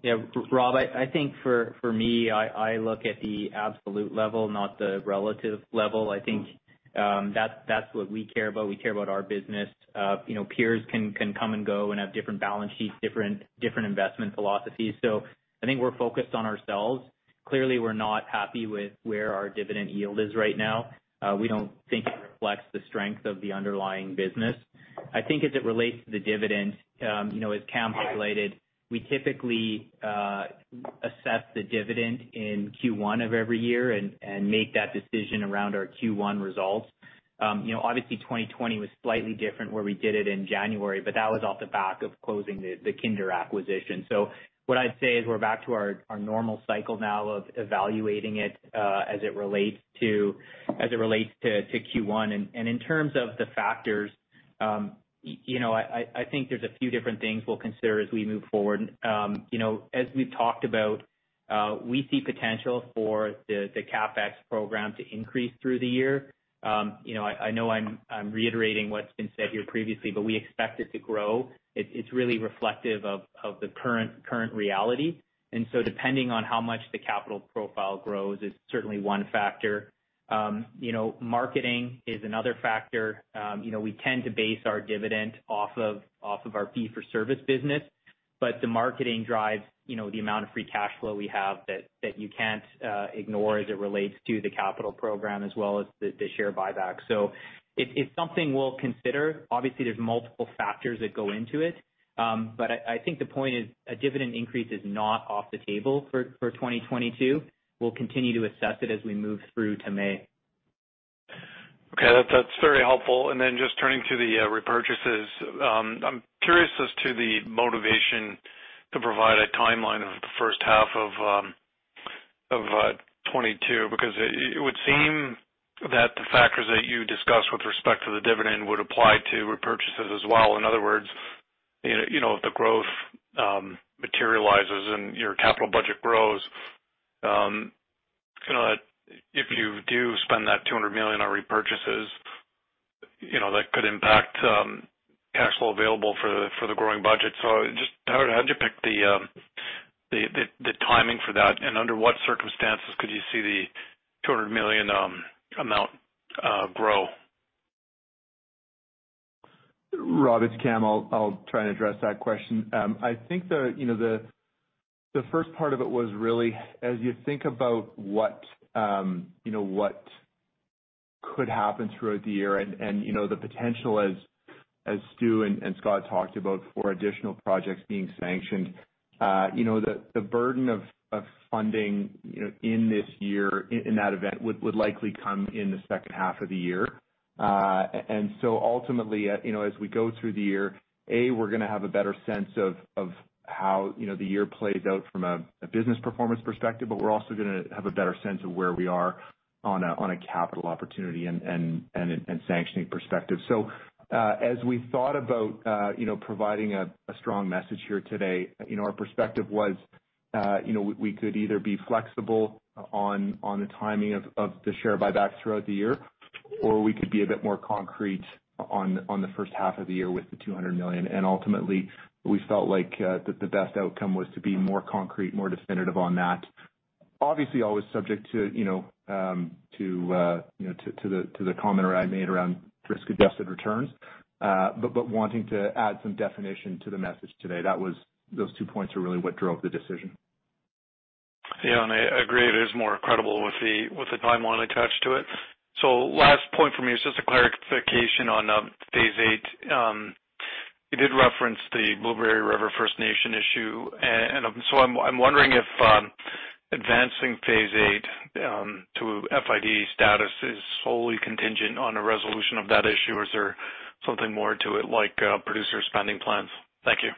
Yeah, Rob, I think for me, I look at the absolute level, not the relative level. I think that's what we care about. We care about our business. You know, peers can come and go and have different balance sheets, different investment philosophies. I think we're focused on ourselves. Clearly, we're not happy with where our dividend yield is right now. We don't think it reflects the strength of the underlying business. I think as it relates to the dividend, you know, as Cam highlighted, we typically assess the dividend in Q1 of every year and make that decision around our Q1 results. You know, obviously 2020 was slightly different where we did it in January, but that was off the back of closing the Kinder Morgan Canada acquisition. What I'd say is we're back to our normal cycle now of evaluating it as it relates to Q1. In terms of the factors, you know, I think there's a few different things we'll consider as we move forward. You know, as we've talked about, we see potential for the CapEx program to increase through the year. You know, I know I'm reiterating what's been said here previously, but we expect it to grow. It's really reflective of the current reality. Depending on how much the capital profile grows is certainly one factor. You know, marketing is another factor. You know, we tend to base our dividend off of our fee for service business, but the marketing drives, you know, the amount of free cash flow we have that you can't ignore as it relates to the capital program as well as the share buyback. It's something we'll consider. Obviously, there's multiple factors that go into it. I think the point is a dividend increase is not off the table for 2022. We'll continue to assess it as we move through to May. Okay, that's very helpful. Just turning to the repurchases. I'm curious as to the motivation to provide a timeline of the first half of 2022, because it would seem that the factors that you discussed with respect to the dividend would apply to repurchases as well. In other words, you know, if the growth materializes and your capital budget grows, you know, if you do spend that 200 million on repurchases, you know, that could impact cash flow available for the growing budget. Just how did you pick the timing for that, and under what circumstances could you see the 200 million amount grow? Rob, it's Cam. I'll try and address that question. I think the first part of it was really as you think about what you know what could happen throughout the year and you know the potential as Stu and Scott talked about for additional projects being sanctioned you know the burden of funding you know in this year in that event would likely come in the second half of the year. Ultimately, you know, as we go through the year, we're gonna have a better sense of how you know the year plays out from a business performance perspective, but we're also gonna have a better sense of where we are on a capital opportunity and sanctioning perspective. As we thought about, you know, providing a strong message here today, you know, our perspective was, you know, we could either be flexible on the timing of the share buybacks throughout the year, or we could be a bit more concrete on the first half of the year with 200 million. Ultimately, we felt like the best outcome was to be more concrete, more definitive on that. Obviously, always subject to, you know, to the comment I made around risk-adjusted returns, but wanting to add some definition to the message today. That was. Those two points are really what drove the decision. Yeah, I agree it is more credible with the timeline attached to it. Last point for me is just a clarification on phase VIII. You did reference the Blueberry River First Nations issue. And so I'm wondering if advancing phase VIII to FID status is solely contingent on a resolution of that issue, or is there something more to it like producer spending plans? Thank you.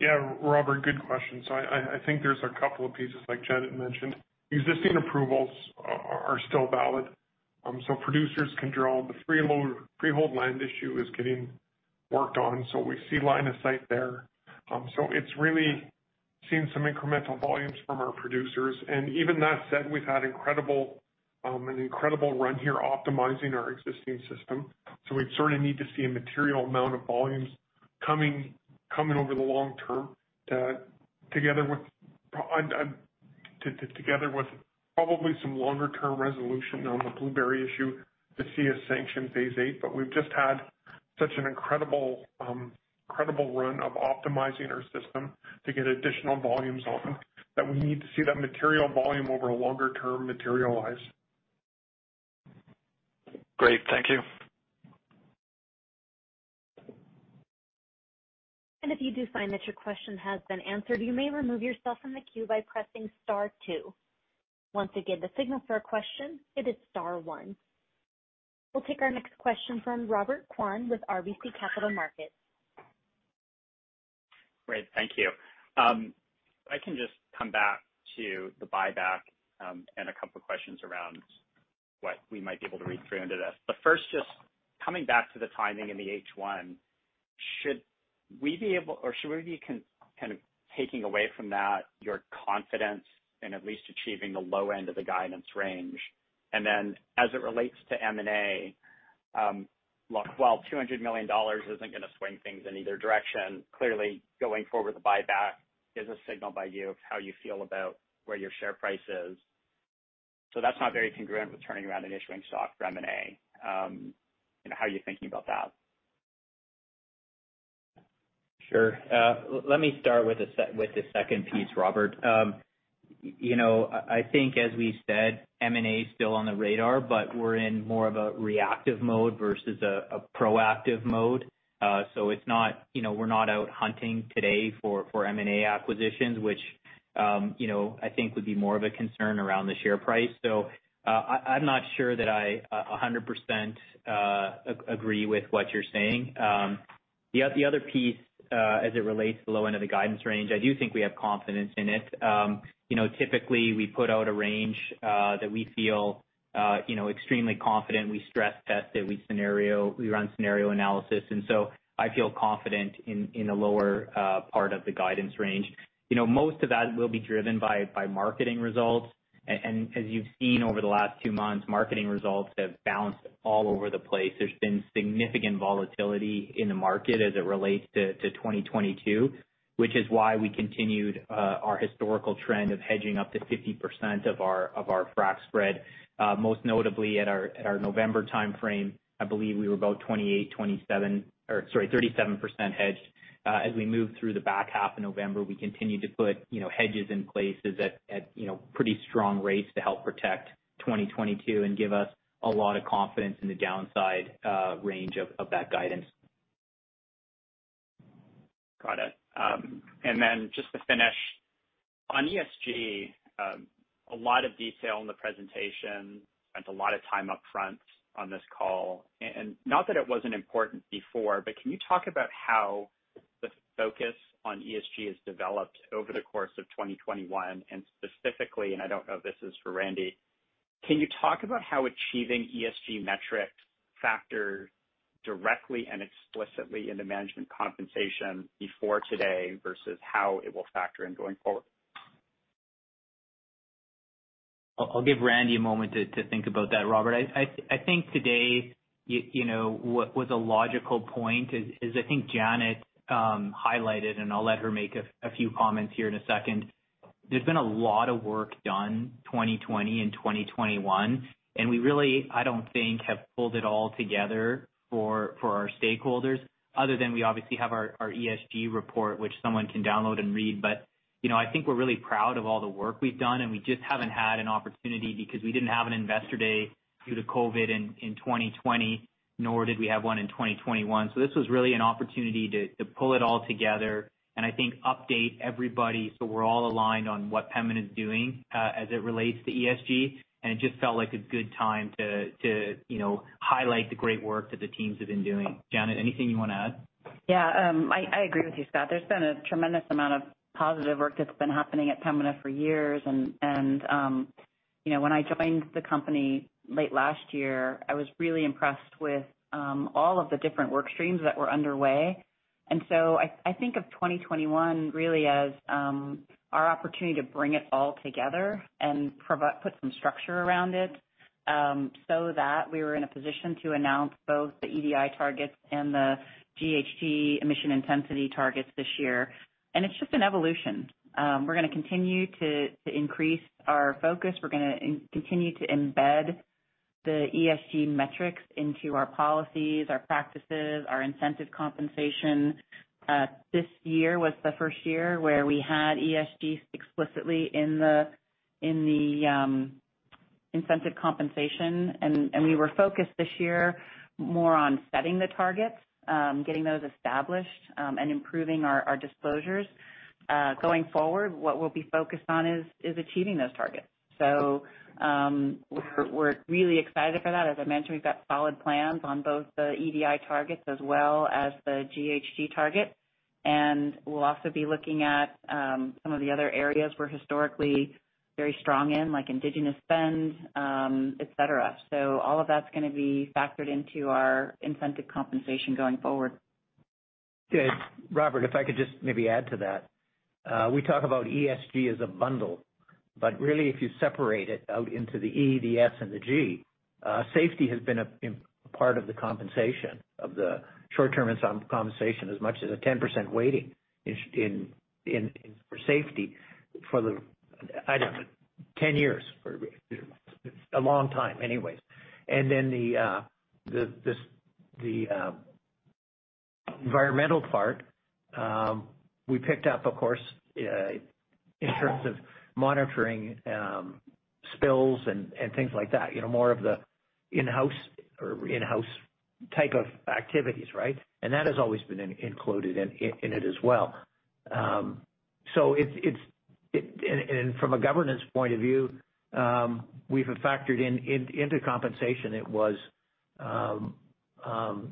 Yeah. Robert, good question. I think there's a couple of pieces like Janet had mentioned. Existing approvals are still valid, so producers can draw. The freehold land issue is getting worked on, so we see line of sight there. It's really seeing some incremental volumes from our producers. Even that said, we've had an incredible run here optimizing our existing system. We'd sort of need to see a material amount of volumes coming over the long term together with probably some longer-term resolution on the Blueberry issue to see us sanction phase VIII. We've just had such an incredible run of optimizing our system to get additional volumes on that we need to see that material volume over a longer term materialize. Great. Thank you. If you do find that your question has been answered, you may remove yourself from the queue by pressing star two. Once again, the signal for a question, it is star one. We'll take our next question from Robert Kwan with RBC Capital Markets. Great, thank you. If I can just come back to the buyback, and a couple of questions around what we might be able to read through into this. First, just coming back to the timing in the H1, should we be kind of taking away from that your confidence in at least achieving the low end of the guidance range? As it relates to M&A, well, 200 million dollars isn't gonna swing things in either direction. Clearly, going forward with a buyback is a signal by you of how you feel about where your share price is. That's not very congruent with turning around and issuing stock for M&A. You know, how are you thinking about that? Sure. Let me start with the second piece, Robert. You know, I think as we said, M&A is still on the radar, but we're in more of a reactive mode versus a proactive mode. It's not, you know, we're not out hunting today for M&A acquisitions, which, you know, I think would be more of a concern around the share price. I'm not sure that I 100% agree with what you're saying. The other piece, as it relates to the low end of the guidance range, I do think we have confidence in it. You know, typically we put out a range that we feel extremely confident. We stress test it, we scenario, we run scenario analysis, and I feel confident in the lower part of the guidance range. You know, most of that will be driven by marketing results. As you've seen over the last two months, marketing results have bounced all over the place. There's been significant volatility in the market as it relates to 2022, which is why we continued our historical trend of hedging up to 50% of our frac spread. Most notably at our November timeframe, I believe we were about 28%-27%, or sorry, 37% hedged. As we moved through the back half of November, we continued to put, you know, hedges in places at, you know, pretty strong rates to help protect 2022 and give us a lot of confidence in the downside range of that guidance. Just to finish. On ESG, a lot of detail in the presentation and a lot of time upfront on this call, and not that it wasn't important before, but can you talk about how the focus on ESG has developed over the course of 2021 and specifically, and I don't know if this is for Randy, can you talk about how achieving ESG metrics factor directly and explicitly in the management compensation before today versus how it will factor in going forward? I'll give Randy a moment to think about that, Robert. I think today you know, what was a logical point is I think Janet highlighted, and I'll let her make a few comments here in a second. There's been a lot of work done, 2020 and 2021, and we really, I don't think have pulled it all together for our stakeholders other than we obviously have our ESG report, which someone can download and read. You know, I think we're really proud of all the work we've done, and we just haven't had an opportunity because we didn't have an investor day due to COVID in 2020, nor did we have one in 2021. This was really an opportunity to pull it all together and I think update everybody so we're all aligned on what Pembina is doing, as it relates to ESG. It just felt like a good time to you know highlight the great work that the teams have been doing. Janet, anything you wanna add? Yeah. I agree with you, Scott. There's been a tremendous amount of positive work that's been happening at Pembina for years. You know, when I joined the company late last year, I was really impressed with all of the different work streams that were underway. I think of 2021 really as our opportunity to bring it all together and put some structure around it, so that we were in a position to announce both the EDI targets and the GHG emission intensity targets this year. It's just an evolution. We're gonna continue to increase our focus. We're gonna continue to embed the ESG metrics into our policies, our practices, our incentive compensation. This year was the first year where we had ESG explicitly in the incentive compensation. We were focused this year more on setting the targets, getting those established, and improving our disclosures. Going forward, what we'll be focused on is achieving those targets. We're really excited for that. As I mentioned, we've got solid plans on both the EDI targets as well as the GHG target. We'll also be looking at some of the other areas we're historically very strong in, like Indigenous spend, et cetera. All of that's gonna be factored into our incentive compensation going forward. Good. Robert, if I could just maybe add to that. We talk about ESG as a bundle, but really if you separate it out into the E, the S, and the G, safety has been a part of the compensation, of the short-term compensation as much as a 10% weighting in safety for, I don't know, 10 years, for a long time anyways. The environmental part we picked up of course in terms of monitoring spills and things like that, you know, more of the in-house type of activities, right? That has always been included in it as well. It. From a governance point of view, we've factored into compensation. It was,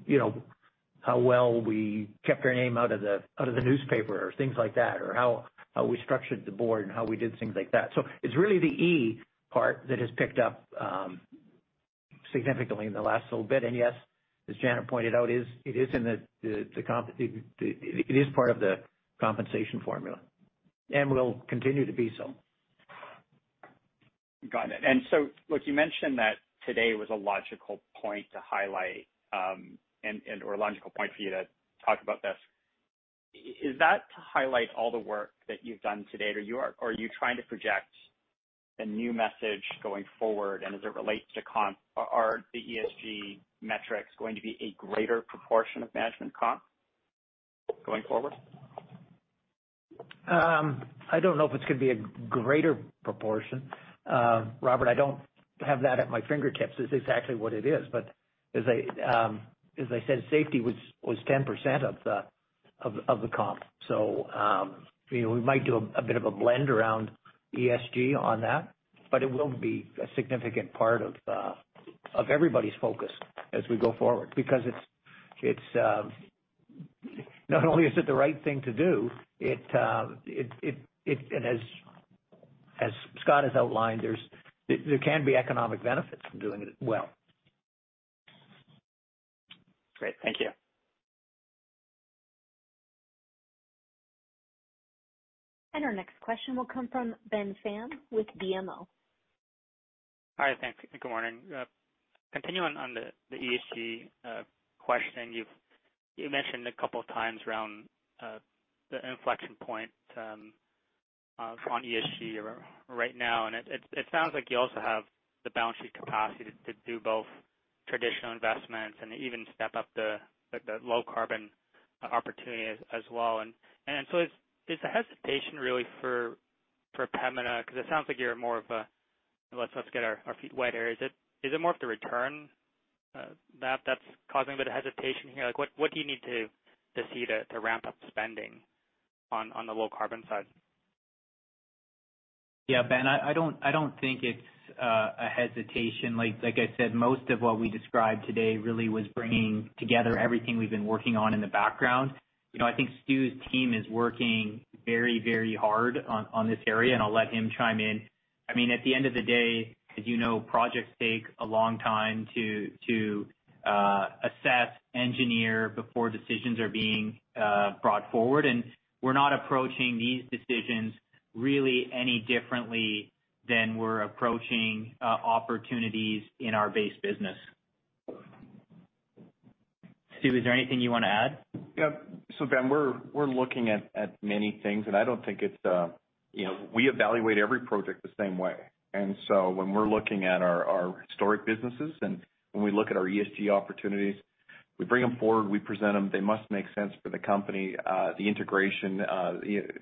you know, how well we kept our name out of the newspaper or things like that, or how we structured the board and how we did things like that. It's really the E part that has picked up significantly in the last little bit. Yes, as Janet pointed out, it is part of the compensation formula and will continue to be so. Got it. Look, you mentioned that today was a logical point to highlight, and/or a logical point for you to talk about this. Is that to highlight all the work that you've done to date, or are you trying to project a new message going forward? As it relates to comp, are the ESG metrics going to be a greater proportion of management comp going forward? I don't know if it's gonna be a greater proportion. Robert, I don't have that at my fingertips as exactly what it is. But as I said, safety was 10% of the comp. You know, we might do a bit of a blend around ESG on that, but it will be a significant part of everybody's focus as we go forward because it's not only the right thing to do, as Scott has outlined, there can be economic benefits from doing it well. Great. Thank you. Our next question will come from Ben Pham with BMO. All right. Thanks, and good morning. Continuing on the ESG question. You've mentioned a couple of times around the inflection point on ESG or right now, and it sounds like you also have the balance sheet capacity to do both traditional investments and even step up the low carbon opportunity as well. Is the hesitation really for Pembina, 'cause it sounds like you're more of a let's get our feet wet here. Is it more of the return that's causing the hesitation here? Like what do you need to see to ramp up spending on the low carbon side? Yeah, Ben, I don't think it's a hesitation. Like I said, most of what we described today really was bringing together everything we've been working on in the background. You know, I think Stu's team is working very, very hard on this area, and I'll let him chime in. I mean, at the end of the day, as you know, projects take a long time to assess, engineer before decisions are being brought forward. We're not approaching these decisions really any differently than we're approaching opportunities in our base business. Stu, is there anything you wanna add? So Ben, we're looking at many things, and I don't think it's we evaluate every project the same way. When we're looking at our historic businesses and when we look at our ESG opportunities, we bring them forward, we present them. They must make sense for the company. The integration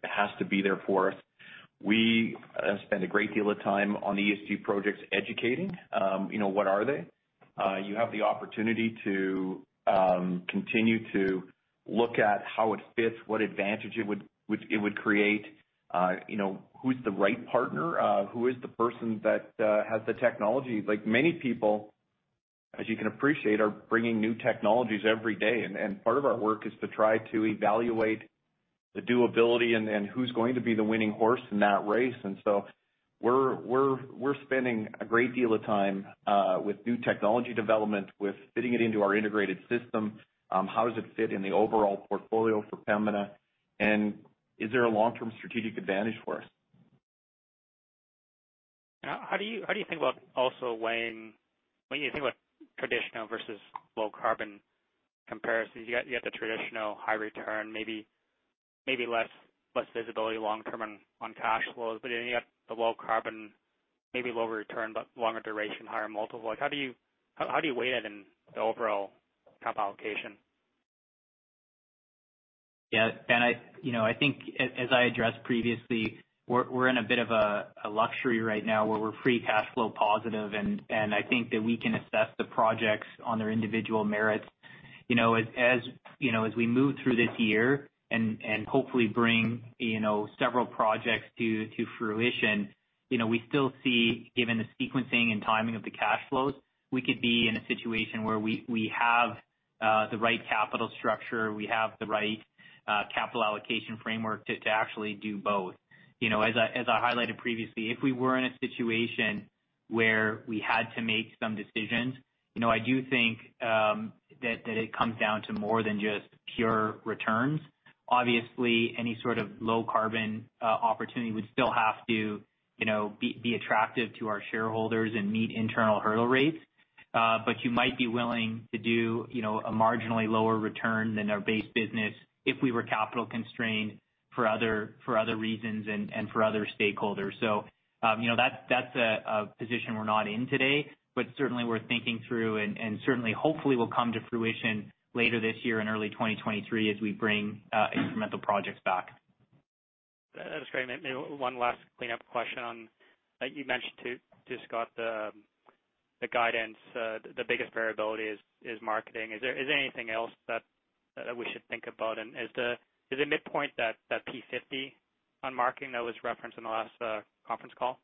has to be there for us. We spend a great deal of time on ESG projects educating what they are. You have the opportunity to continue to look at how it fits, what advantage it would create, you know, who's the right partner, who is the person that has the technology. Like, many people, as you can appreciate, are bringing new technologies every day. Part of our work is to try to evaluate the doability and who's going to be the winning horse in that race. We're spending a great deal of time with new technology development, with fitting it into our integrated system, how does it fit in the overall portfolio for Pembina, and is there a long-term strategic advantage for us? How do you think about also weighing, when you think about traditional versus low carbon comparisons, you got the traditional high return, maybe less visibility long term on cash flows. You got the low carbon, maybe lower return, but longer duration, higher multiple. Like how do you weigh it in the overall cap allocation? Yeah. Ben, you know, I think as I addressed previously, we're in a bit of a luxury right now where we're free cash flow positive, and I think that we can assess the projects on their individual merits. You know, as you know, as we move through this year and hopefully bring you know, several projects to fruition, you know, we still see, given the sequencing and timing of the cash flows, we could be in a situation where we have the right capital structure, we have the right capital allocation framework to actually do both. You know, as I highlighted previously, if we were in a situation where we had to make some decisions, you know, I do think that it comes down to more than just pure returns. Obviously, any sort of low carbon opportunity would still have to, you know, be attractive to our shareholders and meet internal hurdle rates. You might be willing to do, you know, a marginally lower return than our base business if we were capital constrained for other reasons and for other stakeholders. You know, that's a position we're not in today, but certainly worth thinking through and certainly hopefully will come to fruition later this year in early 2023 as we bring incremental projects back. That's great. Maybe one last cleanup question on you mentioned to Scott the guidance, the biggest variability is marketing. Is there anything else that we should think about? Is the midpoint that P50 on marketing that was referenced in the last conference call?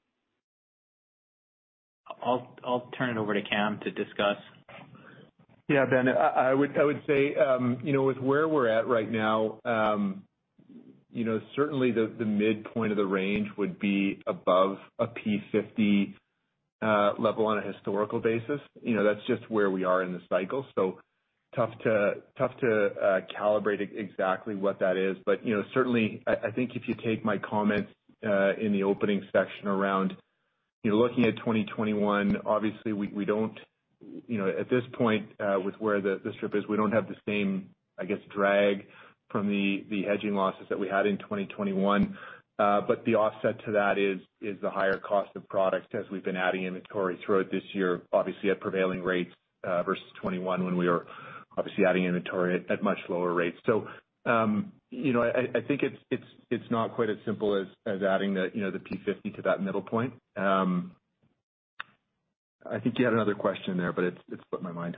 I'll turn it over to Cam to discuss. Yeah, Ben, I would say, you know, with where we're at right now, you know, certainly the midpoint of the range would be above a P50 level on a historical basis. You know, that's just where we are in the cycle. Tough to calibrate exactly what that is. You know, certainly I think if you take my comments in the opening section around, you know, looking at 2021, obviously we don't, you know, at this point, with where this strip is, we don't have the same, I guess, drag from the hedging losses that we had in 2021. The offset to that is the higher cost of products as we've been adding inventory throughout this year, obviously at prevailing rates, versus 2021 when we were obviously adding inventory at much lower rates. You know, I think it's not quite as simple as adding, you know, the P50 to that middle point. I think you had another question there, but it's slipped my mind.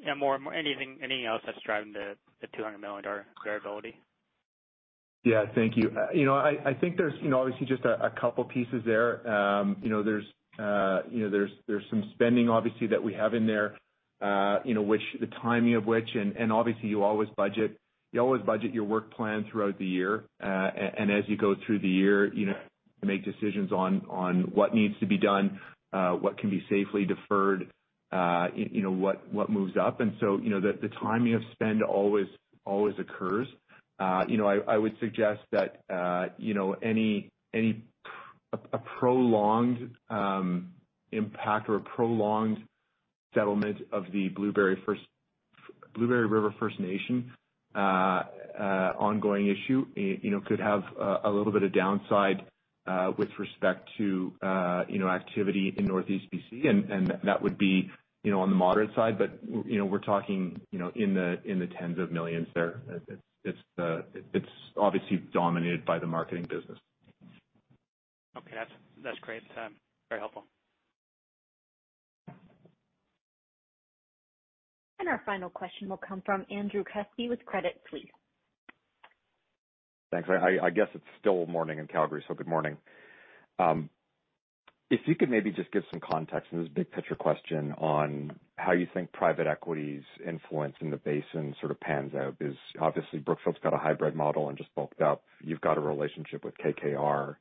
Yeah. More, anything else that's driving the 200-million-dollar variability? Yeah. Thank you. You know, I think there's, you know, obviously just a couple pieces there. You know, there's some spending obviously that we have in there, which the timing of which and obviously you always budget your work plan throughout the year. As you go through the year, you know, make decisions on what needs to be done, what can be safely deferred, what moves up. The timing of spend always occurs. I would suggest that you know, any prolonged impact or a prolonged settlement of the Blueberry River First Nations ongoing issue, you know, could have a little bit of downside with respect to you know, activity in Northeast B.C. That would be you know, on the moderate side. You know, we're talking you know, in the tens of millions there. It's obviously dominated by the marketing business. Okay. That's great. Very helpful. Our final question will come from Andrew Kuske with Credit Suisse. Thanks. I guess it's still morning in Calgary, so good morning. If you could maybe just give some context, and this is a big picture question, on how you think private equity's influence in the basin sort of pans out. Obviously, Brookfield's got a hybrid model and just bulked up. You've got a relationship with KKR.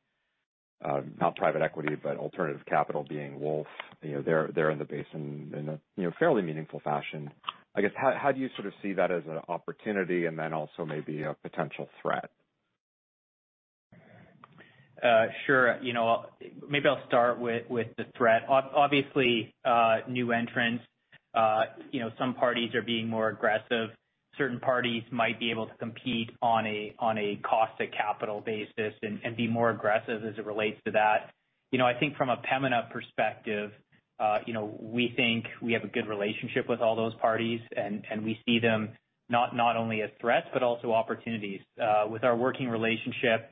Not private equity, but alternative capital being Wolf. You know, they're in the basin in a fairly meaningful fashion. I guess, how do you sort of see that as an opportunity and then also maybe a potential threat? Sure. You know, maybe I'll start with the threat. Obviously, new entrants, you know, some parties are being more aggressive. Certain parties might be able to compete on a cost of capital basis and be more aggressive as it relates to that. You know, I think from a Pembina perspective, you know, we think we have a good relationship with all those parties, and we see them not only as threats, but also opportunities. With our working relationship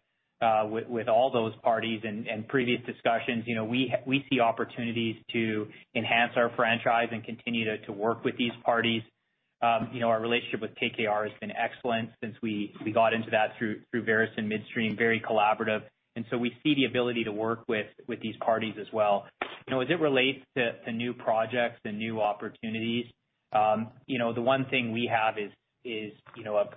with all those parties and previous discussions, you know, we see opportunities to enhance our franchise and continue to work with these parties. You know, our relationship with KKR has been excellent since we got into that through Veresen Midstream, very collaborative. We see the ability to work with these parties as well. You know, as it relates to new projects and new opportunities, you know, the one thing we have is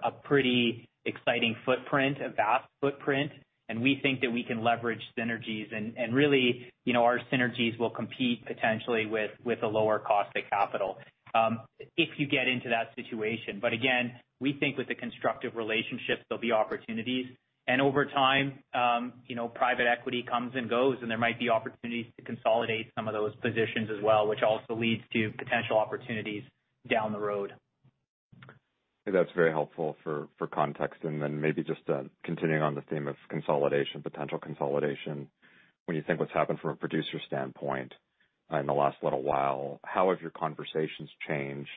a pretty exciting footprint, a vast footprint, and we think that we can leverage synergies and really, you know, our synergies will compete potentially with a lower cost to capital, if you get into that situation. But again, we think with the constructive relationships there'll be opportunities. Over time, you know, private equity comes and goes, and there might be opportunities to consolidate some of those positions as well, which also leads to potential opportunities down the road. That's very helpful for context. Then maybe just continuing on the theme of consolidation, potential consolidation. When you think what's happened from a producer standpoint in the last little while, how have your conversations changed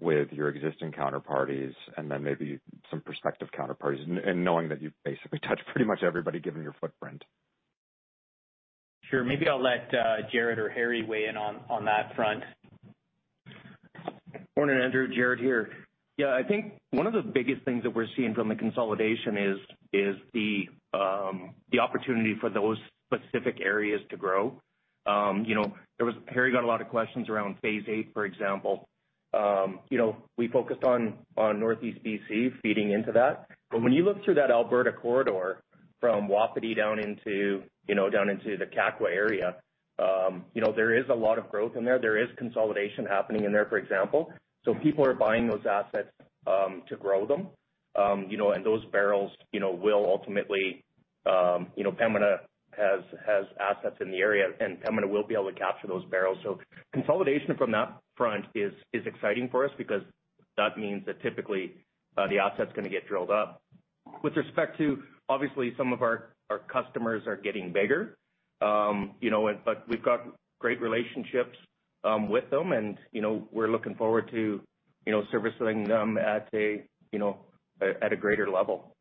with your existing counterparties and then maybe some prospective counterparties, and knowing that you've basically touched pretty much everybody given your footprint? Sure. Maybe I'll let Jaret Sprott or Harry Andersen weigh in on that front. Morning, Andrew. Jaret here. Yeah, I think one of the biggest things that we're seeing from the consolidation is the opportunity for those specific areas to grow. You know, Harry got a lot of questions around phase VIII, for example. You know, we focused on Northeast B.C. feeding into that. When you look through that Alberta corridor from Wapiti down into, you know, down into the Kakwa area, you know, there is a lot of growth in there. There is consolidation happening in there, for example. People are buying those assets to grow them. You know, and those barrels, you know, will ultimately, you know, Pembina has assets in the area, and Pembina will be able to capture those barrels. Consolidation from that front is exciting for us because that means that typically the asset's gonna get drilled up. With respect to obviously some of our customers are getting bigger. We've got great relationships with them and you know we're looking forward to you know servicing them at a greater level.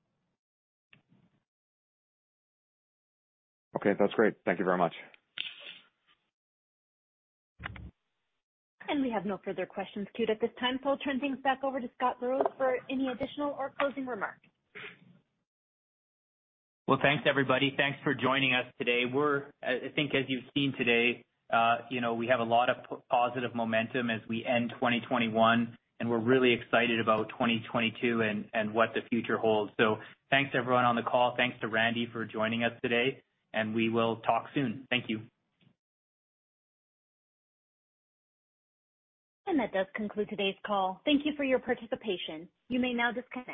Okay, that's great. Thank you very much. We have no further questions queued at this time. I'll turn things back over to Scott Burrows for any additional or closing remarks. Well, thanks, everybody. Thanks for joining us today. I think as you've seen today, you know, we have a lot of positive momentum as we end 2021, and we're really excited about 2022 and what the future holds. Thanks everyone on the call. Thanks to Randy for joining us today, and we will talk soon. Thank you. That does conclude today's call. Thank you for your participation. You may now disconnect.